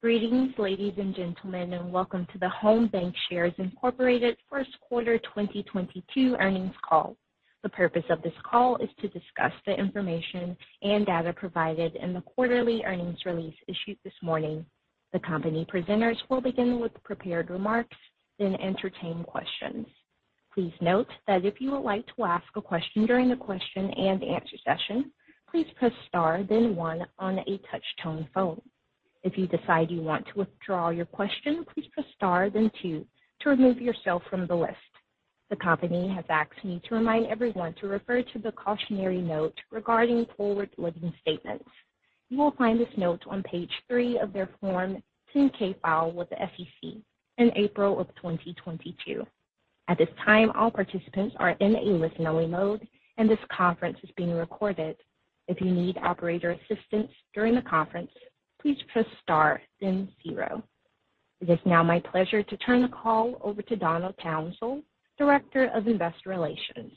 Greetings, ladies and gentlemen, and welcome to the Home BancShares, Inc. first quarter 2022 earnings call. The purpose of this call is to discuss the information and data provided in the quarterly earnings release issued this morning. The company presenters will begin with prepared remarks, then entertain questions. Please note that if you would like to ask a question during the question and answer session, please press star then one on a touch-tone phone. If you decide you want to withdraw your question, please press star then two to remove yourself from the list. The company has asked me to remind everyone to refer to the cautionary note regarding forward-looking statements. You will find this note on page three of their Form 10-K filed with the SEC in April 2022. At this time, all participants are in a listen-only mode, and this conference is being recorded. If you need operator assistance during the conference, please press star then zero. It is now my pleasure to turn the call over to Donna Townsell, Director of Investor Relations.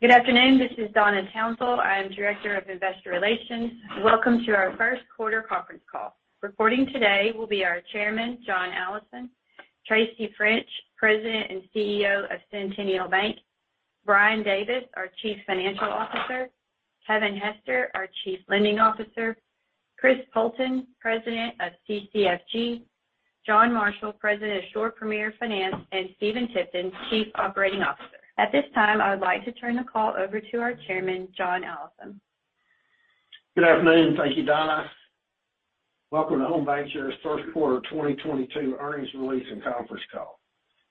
Good afternoon. This is Donna Townsell. I am Director of Investor Relations. Welcome to our first-quarter conference call. Reporting today will be our Chairman, John Allison, Tracy French, President and CEO of Centennial Bank, Brian Davis, our Chief Financial Officer, Kevin Hester, our Chief Lending Officer, Chris Poulton, President of CCFG, John Marshall, President of Shore Premier Finance, and Stephen Tipton, Chief Operating Officer. At this time, I would like to turn the call over to our Chairman, John Allison. Good afternoon. Thank you, Donna. Welcome to Home BancShares' first quarter 2022 earnings release and conference call.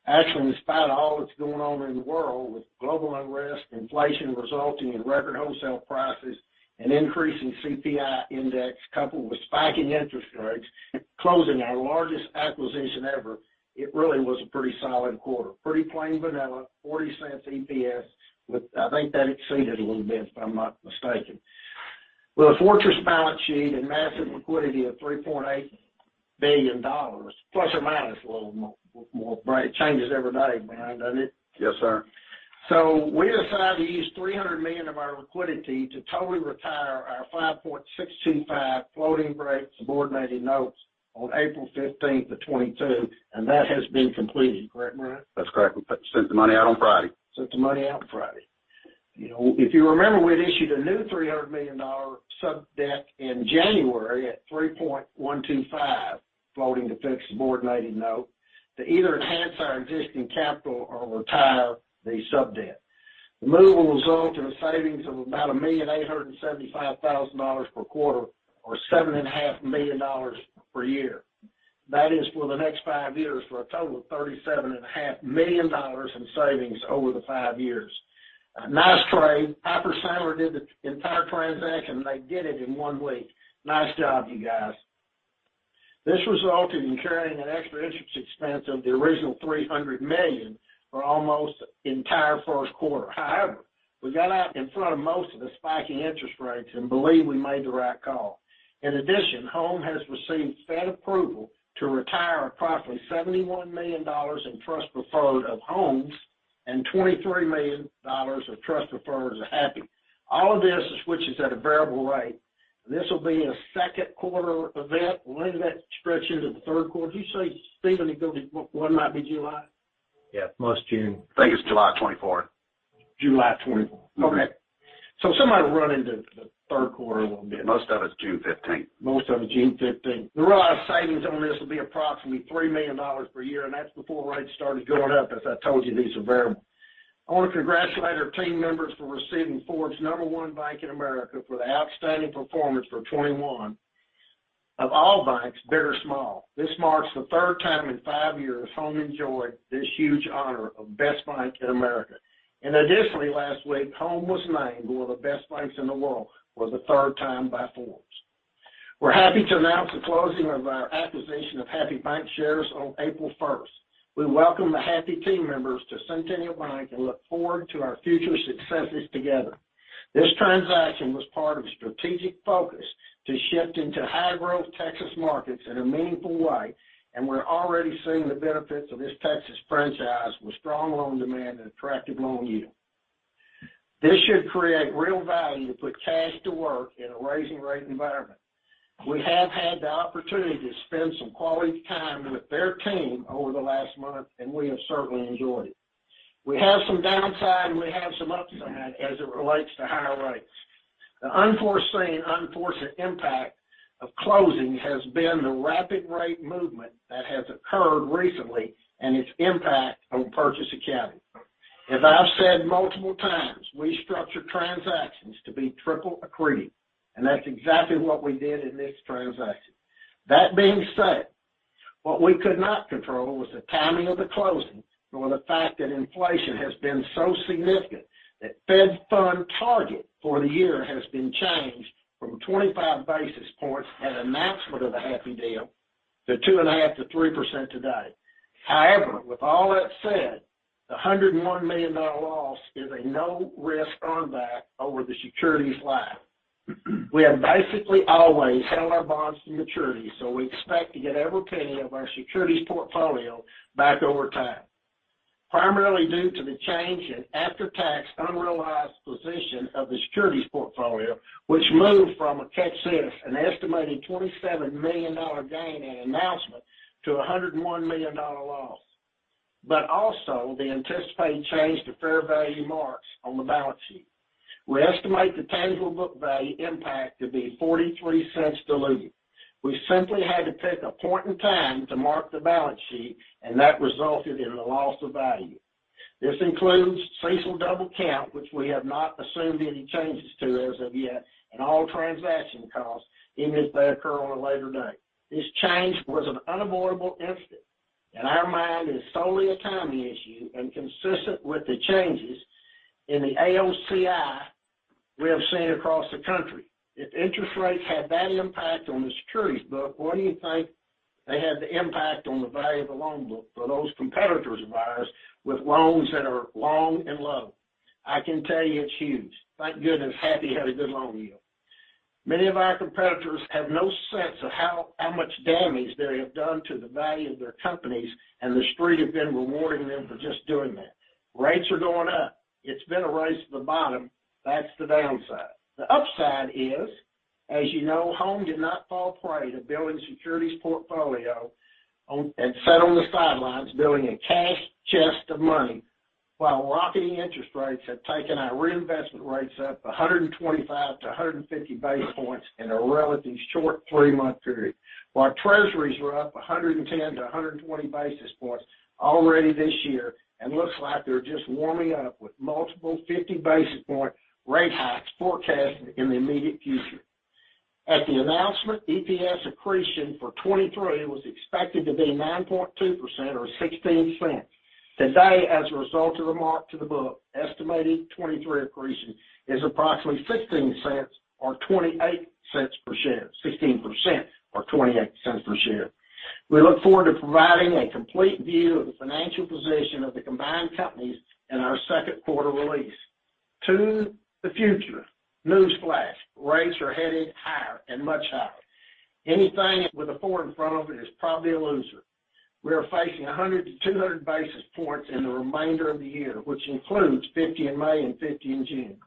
Actually, in spite of all that's going on in the world with global unrest, inflation resulting in record wholesale prices, an increase in CPI index coupled with spiking interest rates, closing our largest acquisition ever, it really was a pretty solid quarter. Pretty plain vanilla, $0.40 EPS, but I think that exceeded a little bit, if I'm not mistaken. With a fortress balance sheet and massive liquidity of $3.8 billion, plus or minus a little more, it changes every day, Brian, doesn't it? Yes, sir. We decided to use $300 million of our liquidity to totally retire our 5.625% floating-rate subordinated notes on April 15, 2022, and that has been completed. Correct, Brian? That's correct. We sent the money out on Friday. Sent the money out on Friday. You know, if you remember, we had issued a new $300 million sub-debt in January at 3.125% floating-to-fixed subordinated note to either enhance our existing capital or retire the sub-debt. The move will result in a savings of about $1.875 million per quarter or $7.5 million per year. That is for the next five years for a total of $37.5 million in savings over the five years. A nice trade. Piper Sandler did the entire transaction. They did it in one week. Nice job, you guys. This resulted in carrying an extra interest expense of the original $300 million for almost the entire first quarter. However, we got out in front of most of the spiking interest rates and believe we made the right call. In addition, Home has received Fed approval to retire approximately $71 million in trust preferred of Home's and $23 million of trust preferred to Happy. All of this switches at a variable rate. This will be a second-quarter event. When did that stretch into the third quarter? Did you say, Stephen, it go to Q1 might be July? Yeah, most June. I think it's July 24. July 24. Okay. Some might run into the third quarter a little bit. Most of it's June 15th. Most of it's June 15th. The realized savings on this will be approximately $3 million per year, and that's before rates started going up. As I told you, these are variable. I want to congratulate our team members for receiving Forbes No. 1 bank in America for the outstanding performance for 2021. Of all banks, big or small, this marks the third time in five years Home enjoyed this huge honor of best bank in America. Additionally, last week, Home was named one of the best banks in the world for the third time by Forbes. We're happy to announce the closing of our acquisition of Happy Bancshares, Inc. on April 1st. We welcome the Happy team members to Centennial Bank and look forward to our future successes together. This transaction was part of a strategic focus to shift into high-growth Texas markets in a meaningful way, and we're already seeing the benefits of this Texas franchise with strong loan demand and attractive loan yield. This should create real value to put cash to work in a rising-rate environment. We have had the opportunity to spend some quality time with their team over the last month, and we have certainly enjoyed it. We have some downside, and we have some upside as it relates to higher rates. The unforeseen, unfortunate impact of closing has been the rapid rate movement that has occurred recently and its impact on purchase accounting. As I've said multiple times, we structure transactions to be triple-A credit, and that's exactly what we did in this transaction. That being said, what we could not control was the timing of the closing or the fact that inflation has been so significant that Fed funds target for the year has been changed from 25 basis points at announcement of the Happy deal to 2.5%-3% today. However, with all that said, the $101 million loss is a no-risk earn back over the securities life. We have basically always held our bonds to maturity, so we expect to get every penny of our securities portfolio back over time. Primarily due to the change in after-tax unrealized position of the securities portfolio, which moved from, catch this, an estimated $27 million gain in announcement to a $101 million loss. But also the anticipated change to fair-value marks on the balance sheet. We estimate the tangible book value impact to be $0.43 diluted. We simply had to pick a point in time to mark the balance sheet, and that resulted in a loss of value. This includes CECL double count, which we have not assumed any changes to as of yet, and all transaction costs, even if they occur on a later date. This change was an unavoidable instance, which, in our mind, is solely a timing issue and consistent with the changes in the AOCI we have seen across the country. If interest rates had that impact on the securities book, what do you think they had the impact on the value of the loan book for those competitors of ours with loans that are long and low? I can tell you it's huge. Thank goodness, Happy had a good loan yield. Many of our competitors have no sense of how much damage they have done to the value of their companies, and the Street have been rewarding them for just doing that. Rates are going up. It's been a race to the bottom. That's the downside. The upside is, as you know, Home did not fall prey to building securities portfolio and sat on the sidelines building a cash chest of money while rocketing interest rates have taken our reinvestment rates up 125-150 basis points in a relatively short three-month period. While treasuries were up 110-120 basis points already this year, and looks like they're just warming up with multiple 50 basis point rate hikes forecasted in the immediate future. At the announcement, 2023 EPS accretion was expected to be 9.2% or $0.16. Today, as a result of the mark-to-the-book, estimated 2023 accretion is approximately $0.16 or $0.28 per share, 16% or $0.28 per share. We look forward to providing a complete view of the financial position of the combined companies in our second-quarter release. To the future, newsflash, rates are headed higher and much higher. Anything with a four in front of it is probably a loser. We are facing 100-200 basis points in the remainder of the year, which includes 50 in May and 50 in June.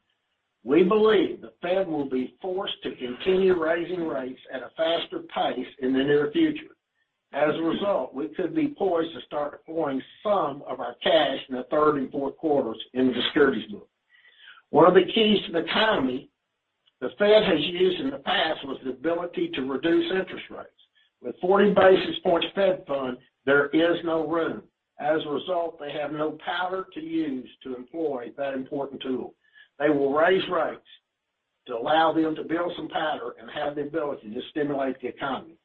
We believe the Fed will be forced to continue raising rates at a faster pace in the near future. As a result, we could be poised to start deploying some of our cash in the third and fourth quarters in the securities book. One of the keys to the economy the Fed has used in the past was the ability to reduce interest rates. With 40 basis points Fed funds, there is no room. As a result, they have no powder to use to employ that important tool. They will raise rates to allow them to build some powder and have the ability to stimulate the economy.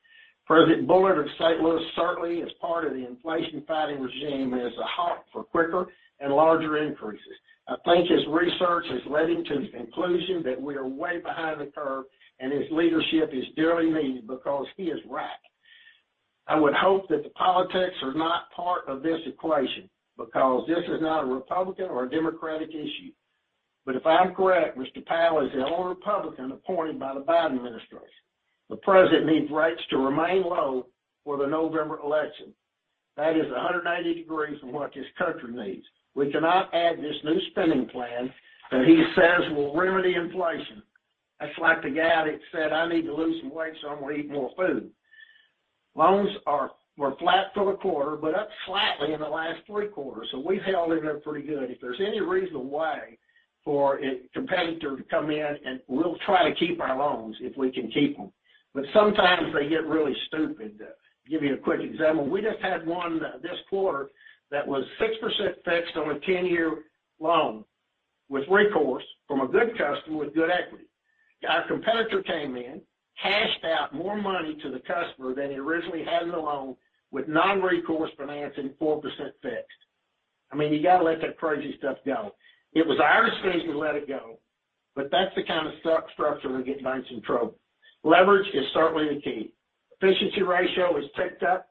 President Bullard of St. Louis certainly is part of the inflation-fighting regime and is a hawk for quicker and larger increases. I think his research has led him to the conclusion that we are way behind the curve, and his leadership is dearly needed because he is right. I would hope that the politics are not part of this equation because this is not a Republican or a Democratic issue. If I'm correct, Mr. Powell is the only Republican appointed by the Biden administration. The President needs rates to remain low for the November election. That is 180 degrees from what this country needs. We cannot add this new spending plan that he says will remedy inflation. That's like the guy that said, "I need to lose some weight, so I'm going to eat more food." Loans were flat for the quarter, but up slightly in the last three quarters. We've held in there pretty good. If there's any reasonable way for a competitor to come in, and we'll try to keep our loans if we can keep them. Sometimes they get really stupid, though. Give you a quick example. We just had one this quarter that was 6% fixed on a 10-year loan with recourse from a good customer with good equity. Our competitor came in, cashed out more money to the customer than he originally had in the loan with non-recourse financing, 4% fixed. I mean, you got to let that crazy stuff go. It was our decision to let it go, but that's the kind of structure we get in banks in trouble. Leverage is certainly the key. Efficiency ratio has ticked up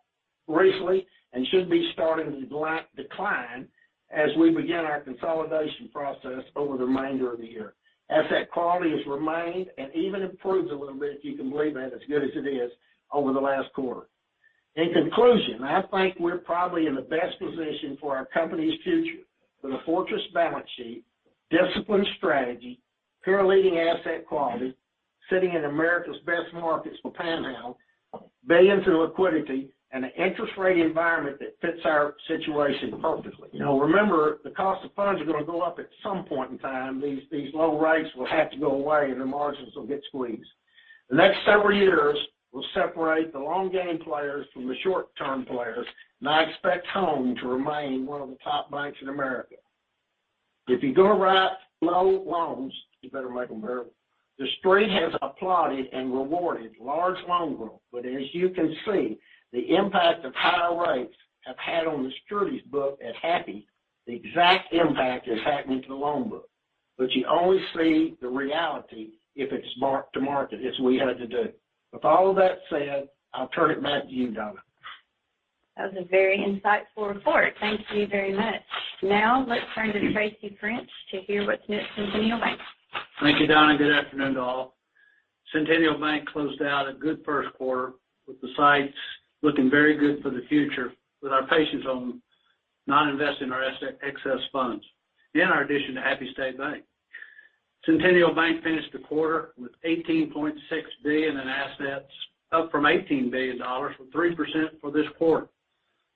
recently and should be starting to decline as we begin our consolidation process over the remainder of the year. Asset quality has remained and even improved a little bit, if you can believe that, as good as it is, over the last quarter. In conclusion, I think we're probably in the best position for our company's future with a fortress balance sheet, disciplined strategy, peer-leading asset quality, sitting in America's best markets for [townhouse], billions in liquidity, and an interest-rate environment that fits our situation perfectly. Now, remember, the cost of funds are going to go up at some point in time. These low rates will have to go away, and the margins will get squeezed. The next several years will separate the long-game players from the short-term players, and I expect Home to remain one of the top banks in America. If you're going to write low loans, you better make them variable. The Street has applauded and rewarded large loan growth, but as you can see, the impact of higher rates have had on the securities book at Happy, the exact impact is happening to the loan book. You only see the reality if it's mark to market, as we had to do. With all of that said, I'll turn it back to you, Donna. That was a very insightful report. Thank you very much. Now, let's turn to Tracy French to hear what's next for Centennial Bank. Thank you, Donna, and good afternoon to all. Centennial Bank closed out a good first quarter with the sights looking very good for the future with our patience on not investing our excess funds and our addition to Happy State Bank. Centennial Bank finished the quarter with $18.6 billion in assets, up from $18 billion or 3% for this quarter.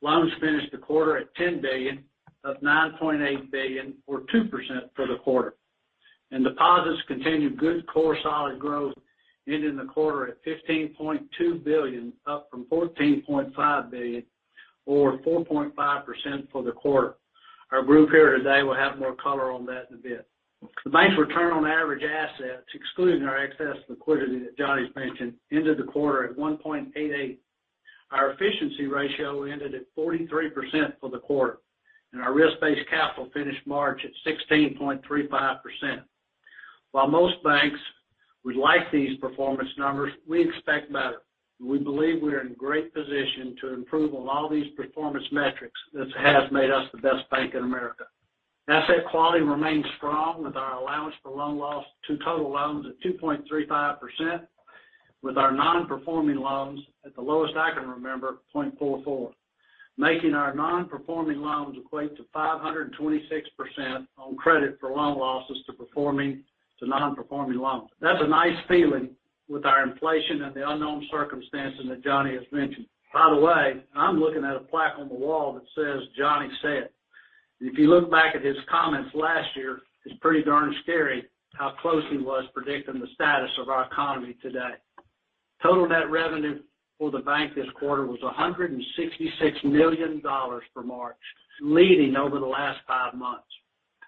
Loans finished the quarter at $10 billion, up from $9.8 billion or 2% for the quarter. Deposits continued good core solid growth, ending the quarter at $15.2 billion, up from $14.5 billion or 4.5% for the quarter. Our group here today will have more color on that in a bit. The bank's return on average assets, excluding our excess liquidity that Johnny's mentioned, ended the quarter at 1.88%. Our efficiency ratio ended at 43% for the quarter, and our risk-based capital finished March at 16.35%. While most banks would like these performance numbers, we expect better. We believe we are in great position to improve on all these performance metrics that has made us the best bank in America. Asset quality remains strong with our allowance for loan losses to total loans at 2.35%, with our non-performing loans at the lowest I can remember, 0.44, making our non-performing loans equate to 526% coverage for loan losses to non-performing loans. That's a nice feeling with inflation and the unknown circumstances that Johnny has mentioned. By the way, I'm looking at a plaque on the wall that says, "Johnny said." If you look back at his comments last year, it's pretty darn scary how close he was predicting the status of our economy today. Total net revenue for the bank this quarter was $166 million for March, leading over the last five months.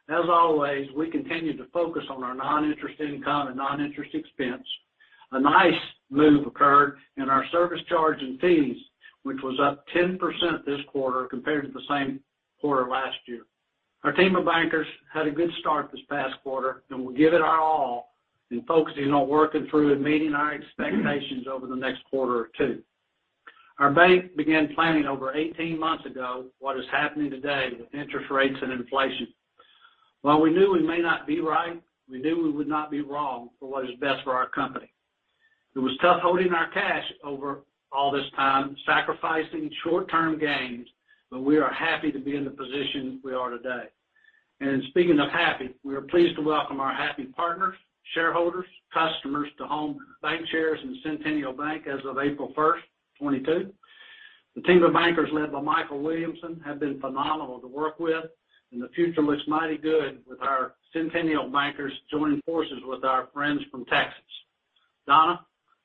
As always, we continue to focus on our non-interest income and non-interest expense. A nice move occurred in our service charge and fees, which was up 10% this quarter compared to the same quarter last year. Our team of bankers had a good start this past quarter, and we'll give it our all in focusing on working through and meeting our expectations over the next quarter or two. Our bank began planning over 18 months ago what is happening today with interest rates and inflation. While we knew we may not be right, we knew we would not be wrong for what is best for our company. It was tough holding our cash over all this time, sacrificing short-term gains, but we are happy to be in the position we are today. Speaking of Happy, we are pleased to welcome our Happy partners, shareholders, customers to Home BancShares and Centennial Bank as of April 1, 2022. The team of bankers led by Mikel Williamson have been phenomenal to work with, and the future looks mighty good with our Centennial bankers joining forces with our friends from Texas. Donna,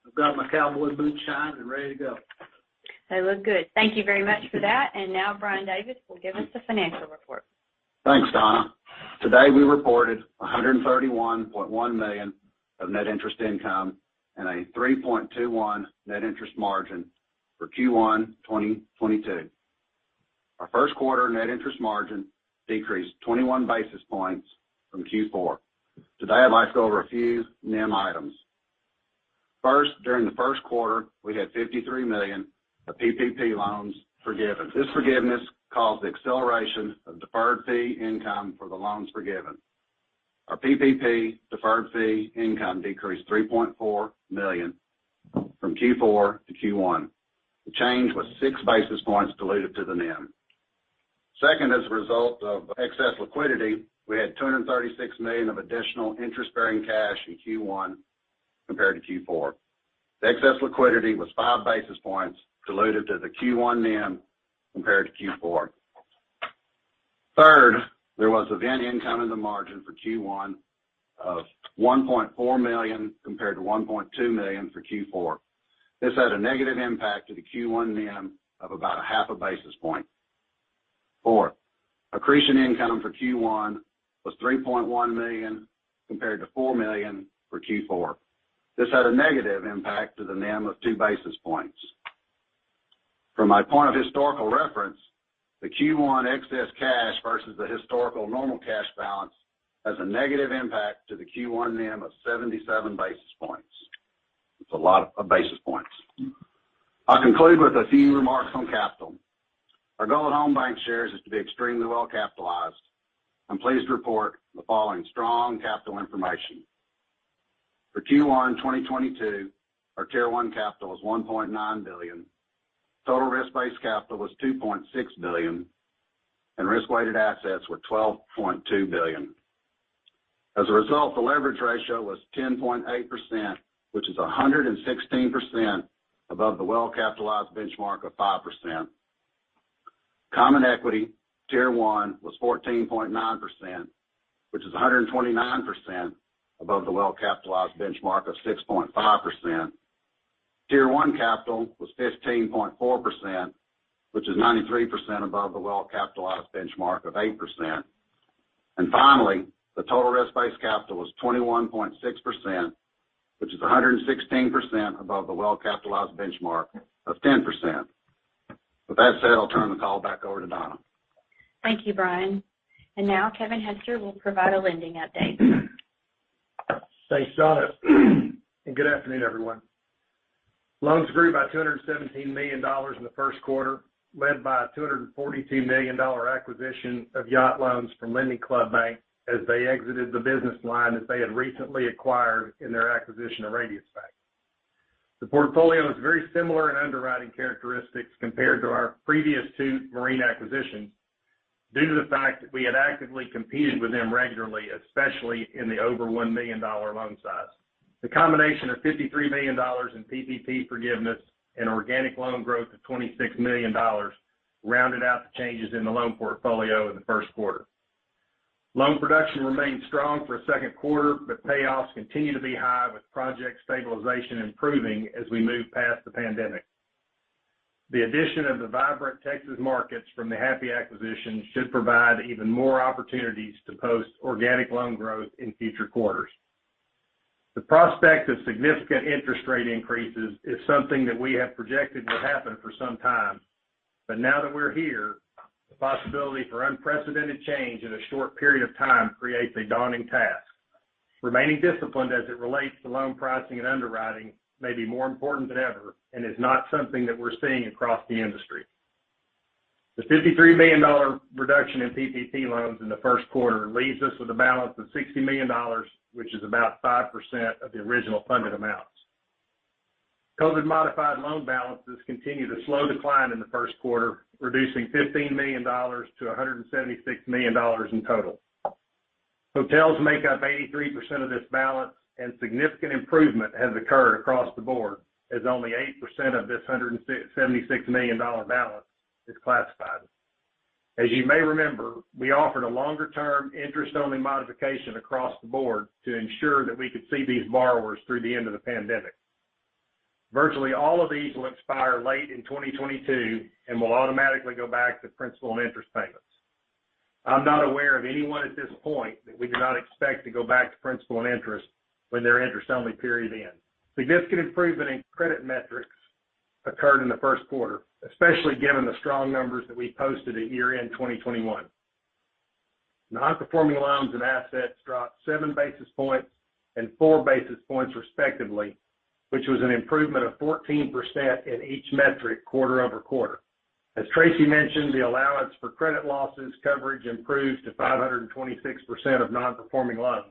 I've got my cowboy boots shined and ready to go. They look good. Thank you very much for that. Now Brian Davis will give us the financial report. Thanks, Donna. Today, we reported $131.1 million of net interest income and a 3.21% net interest margin for Q1 2022. Our first quarter net interest margin decreased 21 basis points from Q4. Today, I'd like to go over a few NIM items. First, during the first quarter, we had $53 million of PPP loans forgiven. This forgiveness caused the acceleration of deferred fee income for the loans forgiven. Our PPP deferred fee income decreased $3.4 million from Q4 to Q1. The change was 6 basis points dilutive to the NIM. Second, as a result of excess liquidity, we had $236 million of additional interest-bearing cash in Q1 compared to Q4. The excess liquidity was 5 basis points dilutive to the Q1 NIM compared to Q4. Third, there was event income in the margin for Q1 of $1.4 million compared to $1.2 million for Q4. This had a negative impact to the Q1 NIM of about 0.5 basis point. Fourth, accretion income for Q1 was $3.1 million compared to $4 million for Q4. This had a negative impact to the NIM of 2 basis points. From my point of historical reference, the Q1 excess cash versus the historical normal cash balance has a negative impact to the Q1 NIM of 77 basis points. It's a lot of basis points. I'll conclude with a few remarks on capital. Our goal at Home BancShares, Inc. is to be extremely well capitalized. I'm pleased to report the following strong capital information. For Q1 in 2022, our Tier One capital is $1.9 billion, total risk-based capital was $2.6 billion, and risk-weighted assets were $12.2 billion. As a result, the leverage ratio was 10.8%, which is 116% above the well-capitalized benchmark of 5%. Common equity, Tier One, was 14.9%, which is 129% above the well-capitalized benchmark of 6.5%. Tier One capital was 15.4%, which is 93% above the well-capitalized benchmark of 8%. Finally, the total risk-based capital was 21.6%, which is 116% above the well-capitalized benchmark of 10%. With that said, I'll turn the call back over to Donna. Thank you, Brian. Now Kevin Hester will provide a lending update. Thanks, Donna. Good afternoon, everyone. Loans grew by $217 million in the first quarter, led by a $242 million acquisition of yacht loans from LendingClub Bank as they exited the business line that they had recently acquired in their acquisition of Radius Bank. The portfolio is very similar in underwriting characteristics compared to our previous two marine acquisitions due to the fact that we had actively competed with them regularly, especially in the over $1 million loan size. The combination of $53 million in PPP forgiveness and organic loan growth of $26 million rounded out the changes in the loan portfolio in the first quarter. Loan production remained strong for the second quarter, but payoffs continue to be high, with project stabilization improving as we move past the pandemic. The addition of the vibrant Texas markets from the Happy acquisition should provide even more opportunities to post organic loan growth in future quarters. The prospect of significant interest-rate increases is something that we have projected will happen for some time. Now that we're here, the possibility for unprecedented change in a short period of time creates a daunting task. Remaining disciplined as it relates to loan pricing and underwriting may be more important than ever and is not something that we're seeing across the industry. The $53 million reduction in PPP loans in the first quarter leaves us with a balance of $60 million, which is about 5% of the original funded amounts. COVID modified loan balances continued a slow decline in the first quarter, reducing $15 million to $176 million in total. Hotels make up 83% of this balance, and significant improvement has occurred across the board, as only 8% of this $76 million balance is classified. As you may remember, we offered a longer-term, interest-only modification across the board to ensure that we could see these borrowers through the end of the pandemic. Virtually all of these will expire late in 2022 and will automatically go back to principal and interest payments. I'm not aware of anyone at this point that we do not expect to go back to principal and interest when their interest-only period ends. Significant improvement in credit metrics occurred in the first quarter, especially given the strong numbers that we posted at year-end 2021. Non-performing loans and assets dropped seven basis points and four basis points respectively, which was an improvement of 14% in each metric quarter-over-quarter. As Tracy mentioned, the allowance for credit losses coverage improved to 526% of non-performing loans.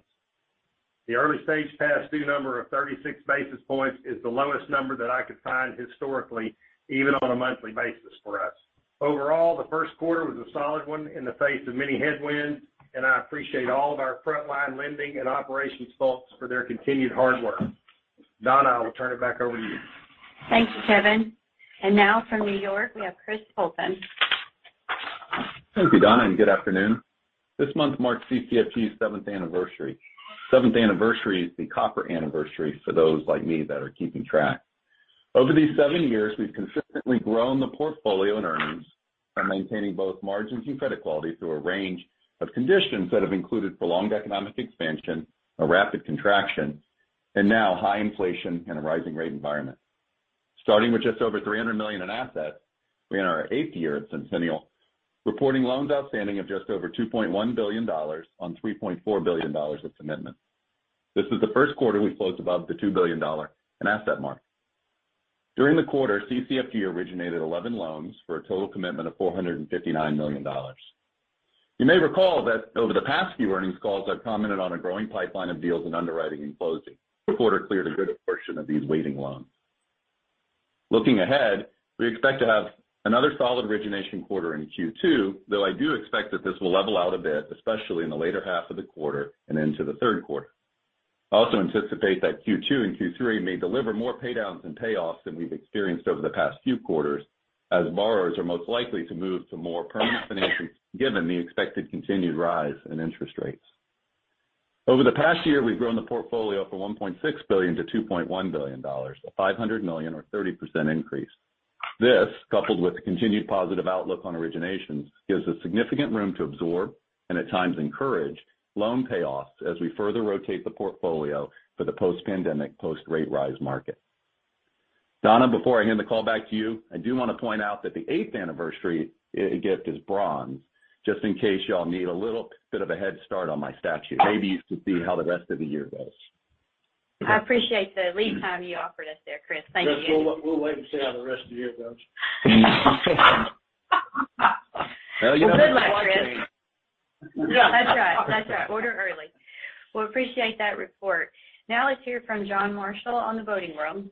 The early stage past due number of 36 basis points is the lowest number that I could find historically, even on a monthly basis for us. Overall, the first quarter was a solid one in the face of many headwinds, and I appreciate all of our frontline lending and operations folks for their continued hard work. Donna, I will turn it back over to you. Thank you, Kevin. Now from New York, we have Christopher C. Poulton. Thank you, Donna, and good afternoon. This month marks CCFG's seventh anniversary. Seventh anniversary is the copper anniversary for those like me that are keeping track. Over these seven years, we've consistently grown the portfolio and earnings by maintaining both margins and credit quality through a range of conditions that have included prolonged economic expansion, a rapid contraction, and now high inflation and a rising-rate environment. Starting with just over $300 million in assets, we're in our eighth year at Centennial, reporting loans outstanding of just over $2.1 billion on $3.4 billion of commitments. This is the first quarter we've closed above the $2 billion in asset mark. During the quarter, CCFG originated 11 loans for a total commitment of $459 million. You may recall that over the past few earnings calls, I've commented on a growing pipeline of deals in underwriting and closing. This quarter cleared a good portion of these waiting loans. Looking ahead, we expect to have another solid origination quarter in Q2, though I do expect that this will level out a bit, especially in the later half of the quarter and into the third quarter. I also anticipate that Q2 and Q3 may deliver more pay downs and payoffs than we've experienced over the past few quarters, as borrowers are most likely to move to more permanent financing given the expected continued rise in interest rates. Over the past year, we've grown the portfolio from $1.6 billion to $2.1 billion, a $500 million or 30% increase. This, coupled with the continued positive outlook on originations, gives us significant room to absorb and at times encourage loan payoffs as we further rotate the portfolio for the post-pandemic, post-rate rise market. Donna, before I hand the call back to you, I do want to point out that the eighth anniversary gift is bronze, just in case y'all need a little bit of a head start on my statue. Maybe you could see how the rest of the year goes. I appreciate the lead time you offered us there, Chris. Thank you. Chris, we'll wait and see how the rest of the year goes. Good luck, Chris. That's right. Order early. Well, I appreciate that report. Now let's hear from John Marshall on the boating room.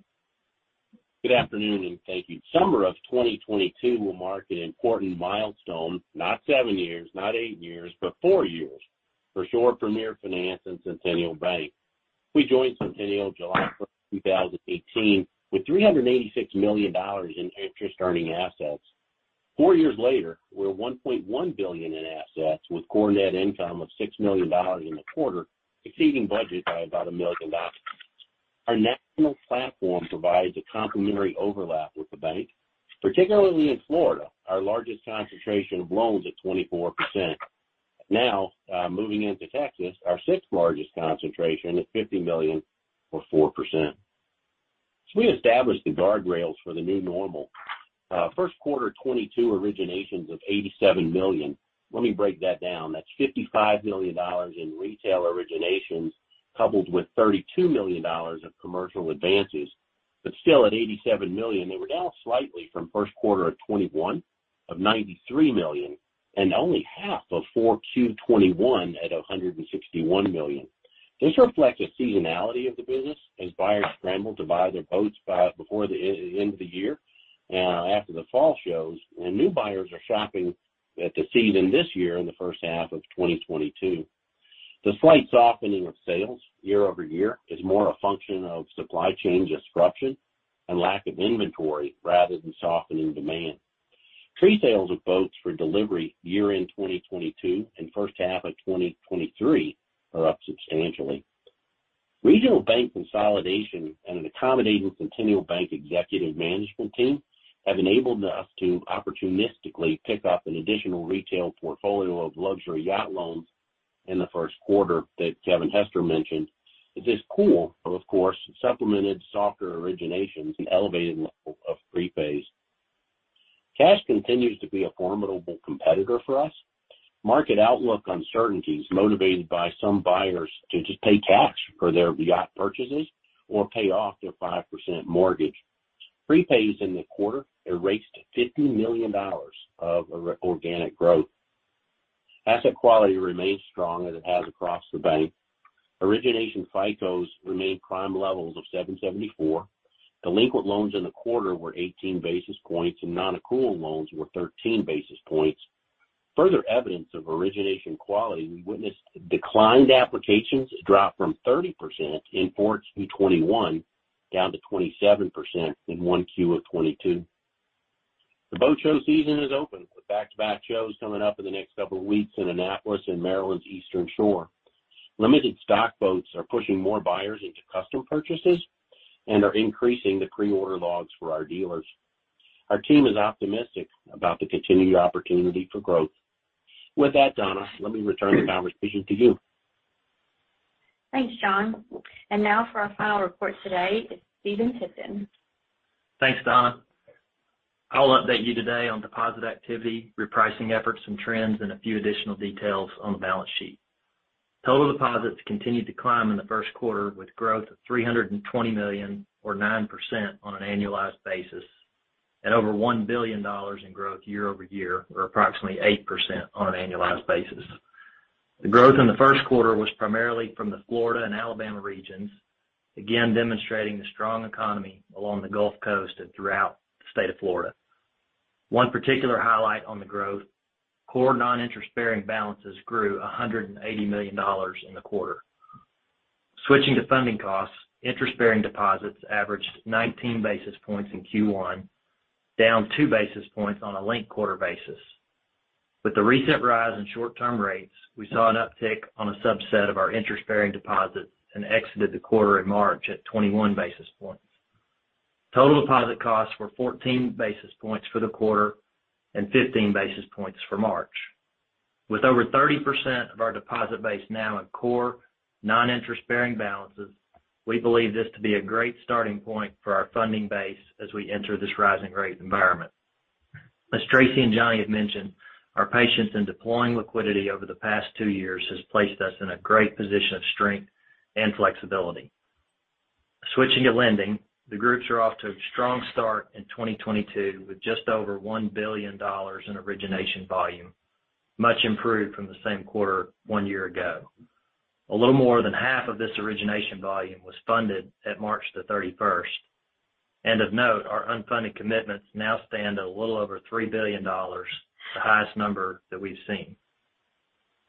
Good afternoon, and thank you. Summer of 2022 will mark an important milestone, not seven years, not eight years, but four years for Shore Premier Finance and Centennial Bank. We joined Centennial July 1, 2018 with $386 million in interest-earning assets. Four years later, we're $1.1 billion in assets with core net income of $6 million in the quarter, exceeding budget by about $1 million. Our national platform provides a complementary overlap with the bank, particularly in Florida, our largest concentration of loans at 24%. Now, moving into Texas, our sixth-largest concentration is $50 million or 4%. As we established the guardrails for the new normal, first quarter 2022 originations of $87 million. Let me break that down. That's $55 million in retail originations coupled with $32 million of commercial advances. Still at $87 million, they were down slightly from first quarter of 2021 of $93 million and only half of 4Q 2021 at $161 million. This reflects a seasonality of the business as buyers scrambled to buy their boats before the end of the year, after the fall shows, and new buyers are shopping this season this year in the first half of 2022. The slight softening of sales year-over-year is more a function of supply-chain disruption and lack of inventory rather than softening demand. Pre-sales of boats for delivery year-end 2022 and first half of 2023 are up substantially. Regional bank consolidation and an accommodating Centennial Bank executive management team have enabled us to opportunistically pick up an additional retail portfolio of luxury yacht loans in the first quarter that Kevin Hester mentioned. This pool, of course, supplemented softer originations and elevated level of prepays. Cash continues to be a formidable competitor for us. Market outlook uncertainties motivated some buyers to just pay cash for their yacht purchases or pay off their 5% mortgage. Prepays in the quarter erased $50 million of organic growth. Asset quality remains strong as it has across the bank. Origination FICOs remain prime levels of 774. Delinquent loans in the quarter were 18 basis points, and nonaccrual loans were 13 basis points. Further evidence of origination quality, we witnessed declined applications drop from 30% in Q4 2021, down to 27% in Q1 of 2022. The boat show season is open, with back-to-back shows coming up in the next couple of weeks in Annapolis in Maryland's Eastern Shore. Limited stock boats are pushing more buyers into custom purchases and are increasing the pre-order logs for our dealers. Our team is optimistic about the continued opportunity for growth. With that, Donna, let me return the conversation to you. Thanks, John. Now for our final report today, it's Stephen Tipton. Thanks, Donna. I'll update you today on deposit activity, repricing efforts and trends, and a few additional details on the balance sheet. Total deposits continued to climb in the first quarter, with growth of $320 million or 9% on an annualized basis at over $1 billion in growth year over year, or approximately 8% on an annualized basis. The growth in the first quarter was primarily from the Florida and Alabama regions, again demonstrating the strong economy along the Gulf Coast and throughout the state of Florida. One particular highlight on the growth, core non-interest-bearing balances grew $180 million in the quarter. Switching to funding costs, interest-bearing deposits averaged 19 basis points in Q1, down 2 basis points on a linked quarter basis. With the recent rise in short-term rates, we saw an uptick on a subset of our interest-bearing deposits and exited the quarter in March at 21 basis points. Total deposit costs were 14 basis points for the quarter and 15 basis points for March. With over 30% of our deposit base now in core non-interest-bearing balances, we believe this to be a great starting point for our funding base as we enter this rising-rate environment. As Tracy and Johnny have mentioned, our patience in deploying liquidity over the past two years has placed us in a great position of strength and flexibility. Switching to lending, the groups are off to a strong start in 2022 with just over $1 billion in origination volume, much improved from the same quarter one year ago. A little more than half of this origination volume was funded at March 31. Of note, our unfunded commitments now stand at a little over $3 billion, the highest number that we've seen.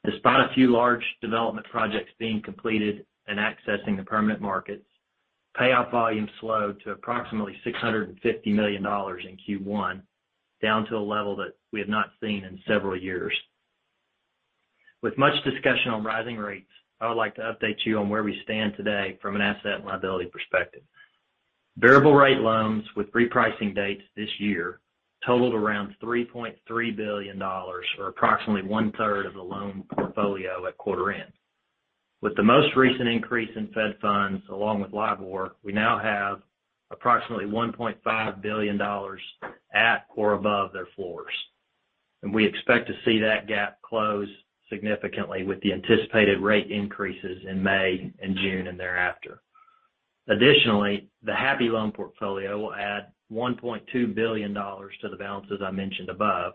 Despite a few large development projects being completed and accessing the permanent markets, payoff volumes slowed to approximately $650 million in Q1, down to a level that we have not seen in several years. With much discussion on rising rates, I would like to update you on where we stand today from an asset-and-liability perspective. Variable-rate loans with repricing dates this year totaled around $3.3 billion, or approximately 1/3 of the loan portfolio at quarter end. With the most recent increase in Fed funds, along with LIBOR, we now have approximately $1.5 billion at or above their floors, and we expect to see that gap close significantly with the anticipated rate increases in May and June and thereafter. Additionally, the Happy loan portfolio will add $1.2 billion to the balances I mentioned above,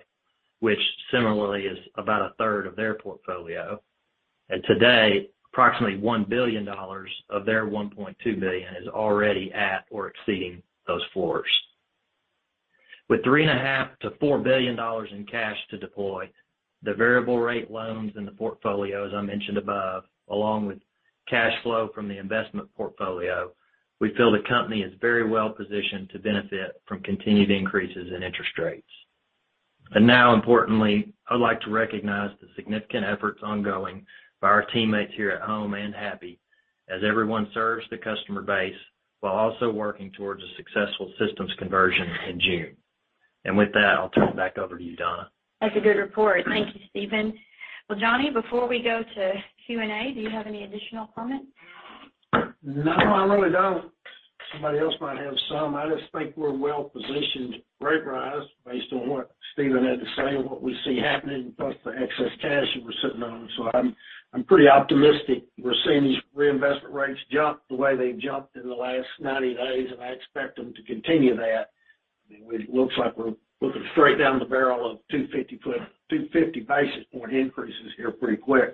which similarly is about 1/3 of their portfolio. Today, approximately $1 billion of their $1.2 billion is already at or exceeding those floors. With $3.5 billion-$4 billion in cash to deploy, the variable-rate loans in the portfolio, as I mentioned above, along with cash flow from the investment portfolio, we feel the company is very well positioned to benefit from continued increases in interest rates. Now importantly, I'd like to recognize the significant efforts ongoing by our teammates here at home and Happy as everyone serves the customer base while also working towards a successful systems conversion in June. With that, I'll turn it back over to you, Donna. That's a good report. Thank you, Stephen. Well, Johnny, before we go to Q&A, do you have any additional comments? No, I really don't. Somebody else might have some. I just think we're well positioned for rate rise based on what Stephen had to say and what we see happening, plus the excess cash that we're sitting on. I'm pretty optimistic. We're seeing these reinvestment rates jump the way they jumped in the last 90 days, and I expect them to continue that. It looks like we're looking straight down the barrel of 250 basis point increases here pretty quick.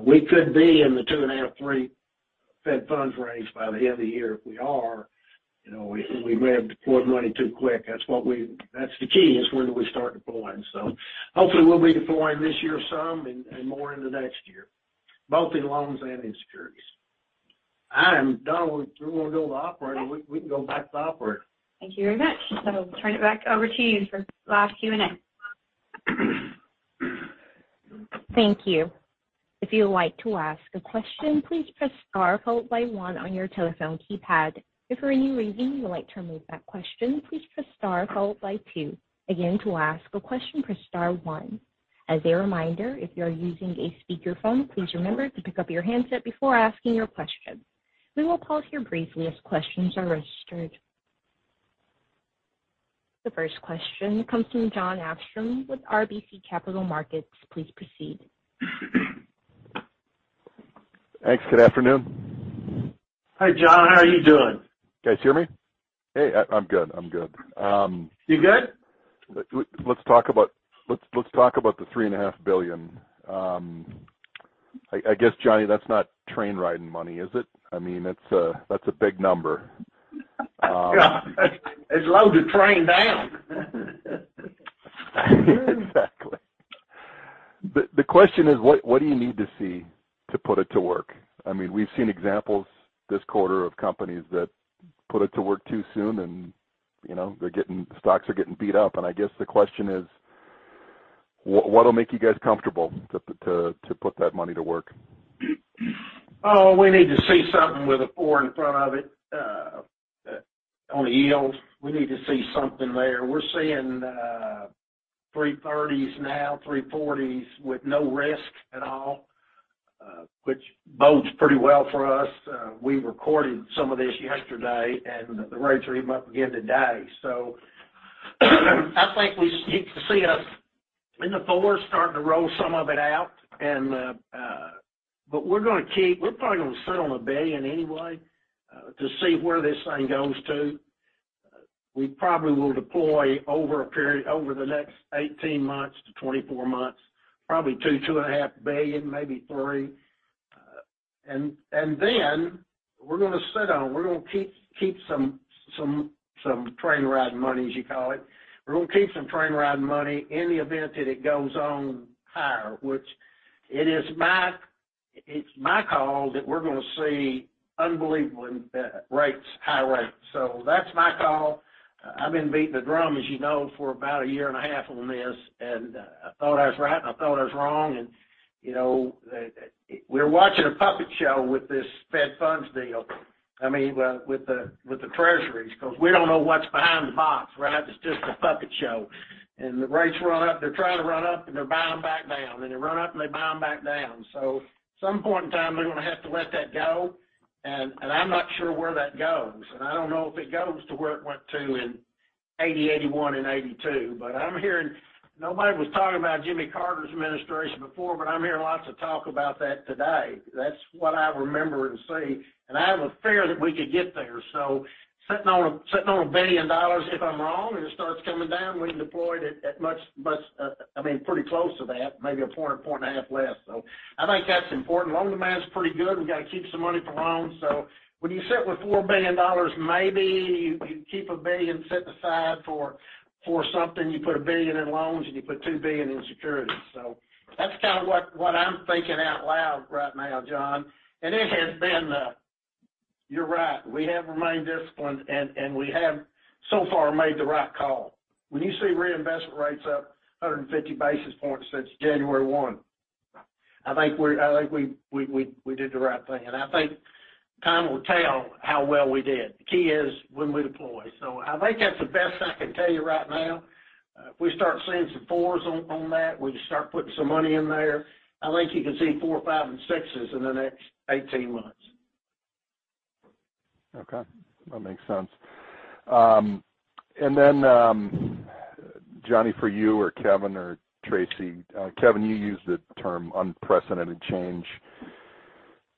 We could be in the 2.5%-3% Fed funds range by the end of the year. If we are, you know, we may have deployed money too quick. That's the key, is when do we start deploying. Hopefully we'll be deploying this year some and more into next year, both in loans and in securities. I'm done. If you want to go to the operator, we can go back to the operator. Thank you very much. Turn it back over to you for last Q&A. The first question comes from Jon Arfstrom with RBC Capital Markets. Please proceed. Thanks. Good afternoon. Hi, Jon. How are you doing? Can you guys hear me? Hey, I'm good. You good? Let's talk about the $3.5 billion. I guess, Johnny, that's not train riding money, is it? I mean, it's a, that's a big number. It's loads of train down. Exactly. The question is, what do you need to see to put it to work? I mean, we've seen examples this quarter of companies that put it to work too soon and, you know, stocks are getting beat up. I guess the question is, what will make you guys comfortable to put that money to work? We need to see something with a 4 in front of it on yields. We need to see something there. We're seeing 3.30s now, 3.40s with no risk at all, which bodes pretty well for us. We recorded some of this yesterday, and the rates are even up again today. I think you can see us in the 4s starting to roll some of it out. We're probably gonna sit on $1 billion anyway to see where this thing goes to. We probably will deploy over a period, over the next 18 months to 24 months, probably $2 billion, $2.5 billion, maybe $3 billion. Then we're gonna sit on, we're gonna keep some train riding money, as you call it. We're gonna keep some train riding money in the event that it goes on higher, which it is, it's my call that we're gonna see unbelievably high rates. That's my call. I've been beating the drum, as you know, for about a year and a half on this, and I thought I was right, and I thought I was wrong. You know, we're watching a puppet show with this Fed funds deal. I mean, with the treasuries, because we don't know what's behind the box, right? It's just a puppet show. The rates run up. They're trying to run up, and they're buying back down, and they run up, and they buy them back down. At some point in time, they're going to have to let that go. I'm not sure where that goes. I don't know if it goes to where it went to in 1980, 1981 and 1982. I'm hearing nobody was talking about Jimmy Carter's administration before, but I'm hearing lots of talk about that today. That's what I remember and see. I have a fear that we could get there. Sitting on $1 billion, if I'm wrong and it starts coming down, we deployed it at much, much, I mean, pretty close to that, maybe $1.5 billion less. I think that's important. Loan demand is pretty good. We got to keep some money for loans. When you sit with $4 billion, maybe you keep $1 billion set aside for something, you put $1 billion in loans, and you put $2 billion in securities. That's kinda what I'm thinking out loud right now, Jon. It has been. You're right. We have remained disciplined, and we have so far made the right call. When you see reinvestment rates up 150 basis points since January 1, I think we did the right thing. I think time will tell how well we did. The key is when we deploy. I think that's the best I can tell you right now. If we start seeing some 4s on that, we start putting some money in there. I think you can see 4s, 5s, and 6s in the next 18 months. Okay, that makes sense. John, for you or Kevin or Tracy. Kevin, you used the term unprecedented change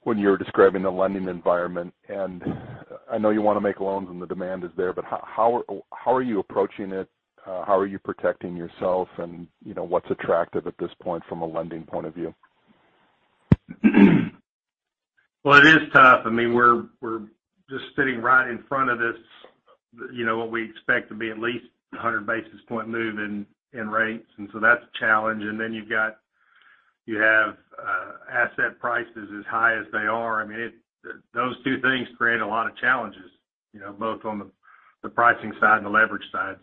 when you were describing the lending environment. I know you want to make loans and the demand is there, but how are you approaching it? How are you protecting yourself? You know, what's attractive at this point from a lending point of view? Well, it is tough. I mean, we're just sitting right in front of this, you know, what we expect to be at least 100 basis point move in rates. That's a challenge. You have asset prices as high as they are. I mean, those two things create a lot of challenges, you know, both on the pricing side and the leverage side.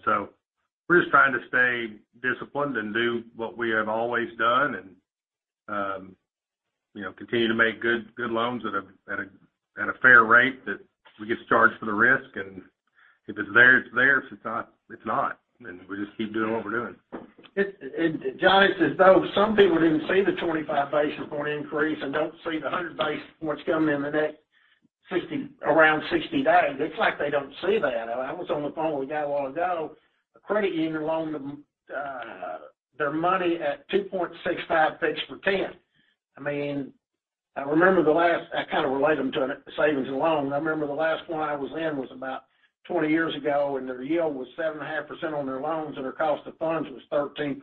We're just trying to stay disciplined and do what we have always done and, you know, continue to make good loans at a fair rate that we get charged for the risk and if it's there, it's there. If it's not, it's not, and we just keep doing what we're doing. Jon, it's as though some people didn't see the 25 basis point increase and don't see the 100 basis points coming in the next around 60 days. It's like they don't see that. I was on the phone with a guy a while ago, a credit union loaned them their money at 2.65 fixed for 10. I mean, I remember I kind of relate them to a savings and loan. I remember the last one I was in was about 20 years ago, and their yield was 7.5% on their loans, and their cost of funds was 13%.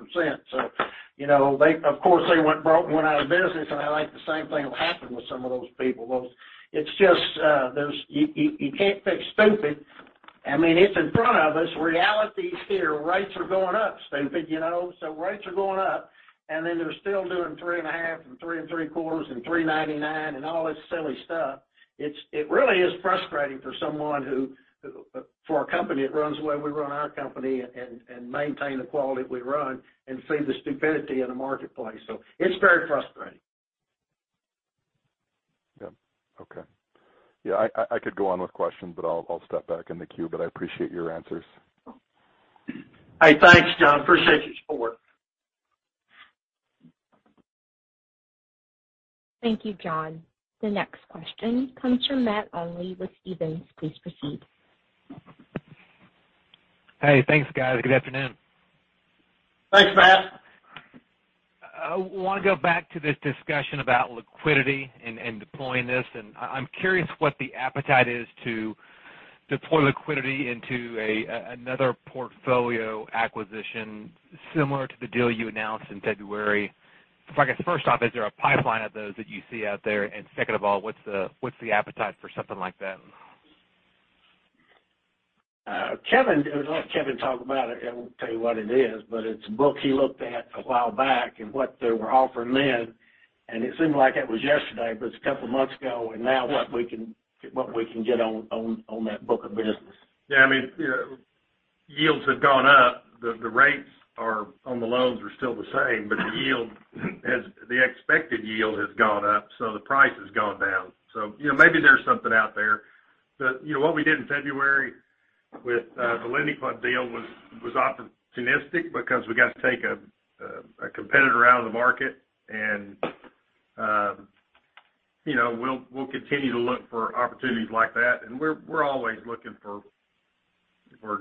You know, of course, they went broke and went out of business, and I think the same thing will happen with some of those people. It's just, you can't fix stupid. I mean, it's in front of us. Reality is here. Rates are going up, stupid, you know. Rates are going up, and then they're still doing 3.5% and 3.75% and 3.99%, and all this silly stuff. It really is frustrating for someone who, for a company that runs the way we run our company and maintain the quality that we run and see the stupidity in the marketplace. It's very frustrating. Yeah. Okay. Yeah, I could go on with questions, but I'll step back in the queue, but I appreciate your answers. Hey, thanks, Jon. I appreciate your support. Thank you, Jon. The next question comes from Matt Olney with Stephens. Please proceed. Hey, thanks, guys. Good afternoon. Thanks, Matt. I wanna go back to this discussion about liquidity and deploying this. I'm curious what the appetite is to deploy liquidity into another portfolio acquisition similar to the deal you announced in February. I guess first off, is there a pipeline of those that you see out there? Second of all, what's the appetite for something like that? Kevin, I'll let Kevin talk about it, and we'll tell you what it is, but it's a book he looked at a while back and what they were offering then, and it seemed like that was yesterday, but it's a couple of months ago, and now what we can get on that book of business. Yeah, I mean, yields have gone up. The rates on the loans are still the same, but the expected yield has gone up, so the price has gone down. You know, maybe there's something out there. You know, what we did in February with the LendingClub deal was opportunistic because we got to take a competitor out of the market. You know, we'll continue to look for opportunities like that. We're always looking for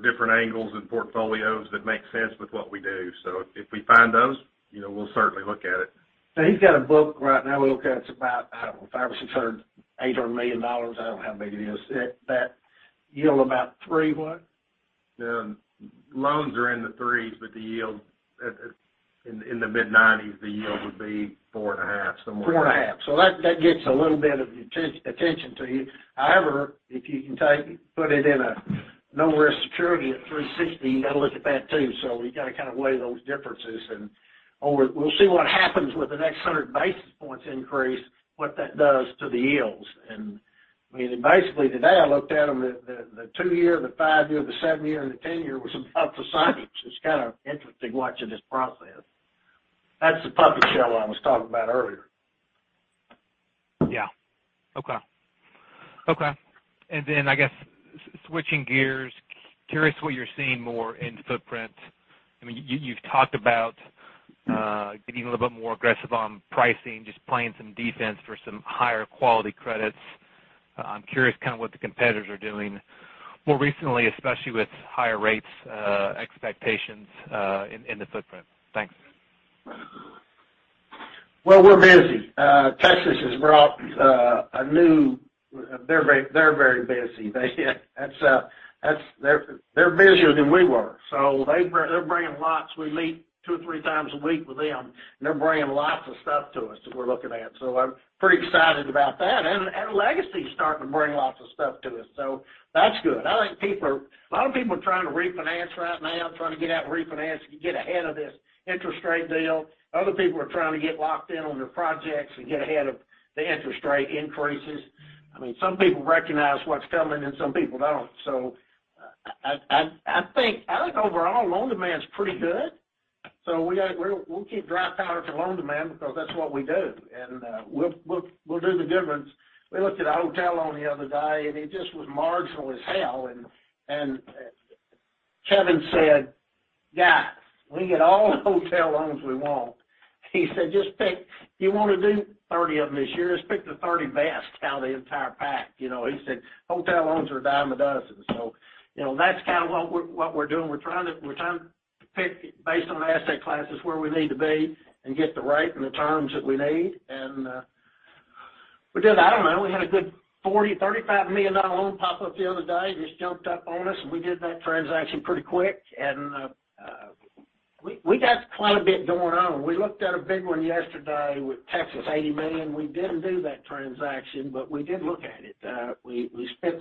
different angles and portfolios that make sense with what we do. If we find those, you know, we'll certainly look at it. He's got a book right now we look at. It's about, I don't know, $500 million-$800 million. I don't know how big it is. That yields about 3%. What? The loans are in the 3s, but the yield in the mid-90s would be 4.5%, somewhere like that. 4.5. That gets a little bit of attention to you. However, if you can put it in a no-risk security at 3.60, you got to look at that, too. We got to kind of weigh those differences, or we'll see what happens with the next 100 basis points increase, what that does to the yields. I mean, basically today I looked at the two-year, the five-year, the seven-year, and the 10-year was about the same. It's kind of interesting watching this process. That's the puppet show I was talking about earlier. Yeah. Okay. I guess switching gears, curious what you're seeing more in footprint. I mean, you've talked about getting a little bit more aggressive on pricing, just playing some defense for some higher-quality credits. I'm curious kind of what the competitors are doing more recently, especially with higher rates expectations in the footprint. Thanks. Well, we're busy. Texas has brought a new. They're very busy. They're busier than we were. They're bringing lots. We meet two or three times a week with them, and they're bringing lots of stuff to us that we're looking at. I'm pretty excited about that. Legacy is starting to bring lots of stuff to us, so that's good. I think a lot of people are trying to refinance right now, trying to get out and refinance to get ahead of this interest rate deal. Other people are trying to get locked in on their projects and get ahead of the interest rate increases. I mean, some people recognize what's coming, and some people don't. I think overall, loan demand's pretty good. We'll keep dry powder for loan demand because that's what we do. We'll do the difference. We looked at a hotel loan the other day, and it just was marginal as hell. Kevin said, "Guys, we can get all the hotel loans we want." He said, "Just pick. You want to do 30 of them this year, just pick the 30 best out of the entire pack." You know, he said, "Hotel loans are a dime a dozen." You know, that's kind of what we're doing. We're trying to pick based on the asset classes where we need to be and get the rate and the terms that we need. We did, I don't know, we had a good $35 million loan pop up the other day, just jumped up on us, and we did that transaction pretty quick. We got quite a bit going on. We looked at a big one yesterday with Texas, $80 million. We didn't do that transaction, but we did look at it. We spent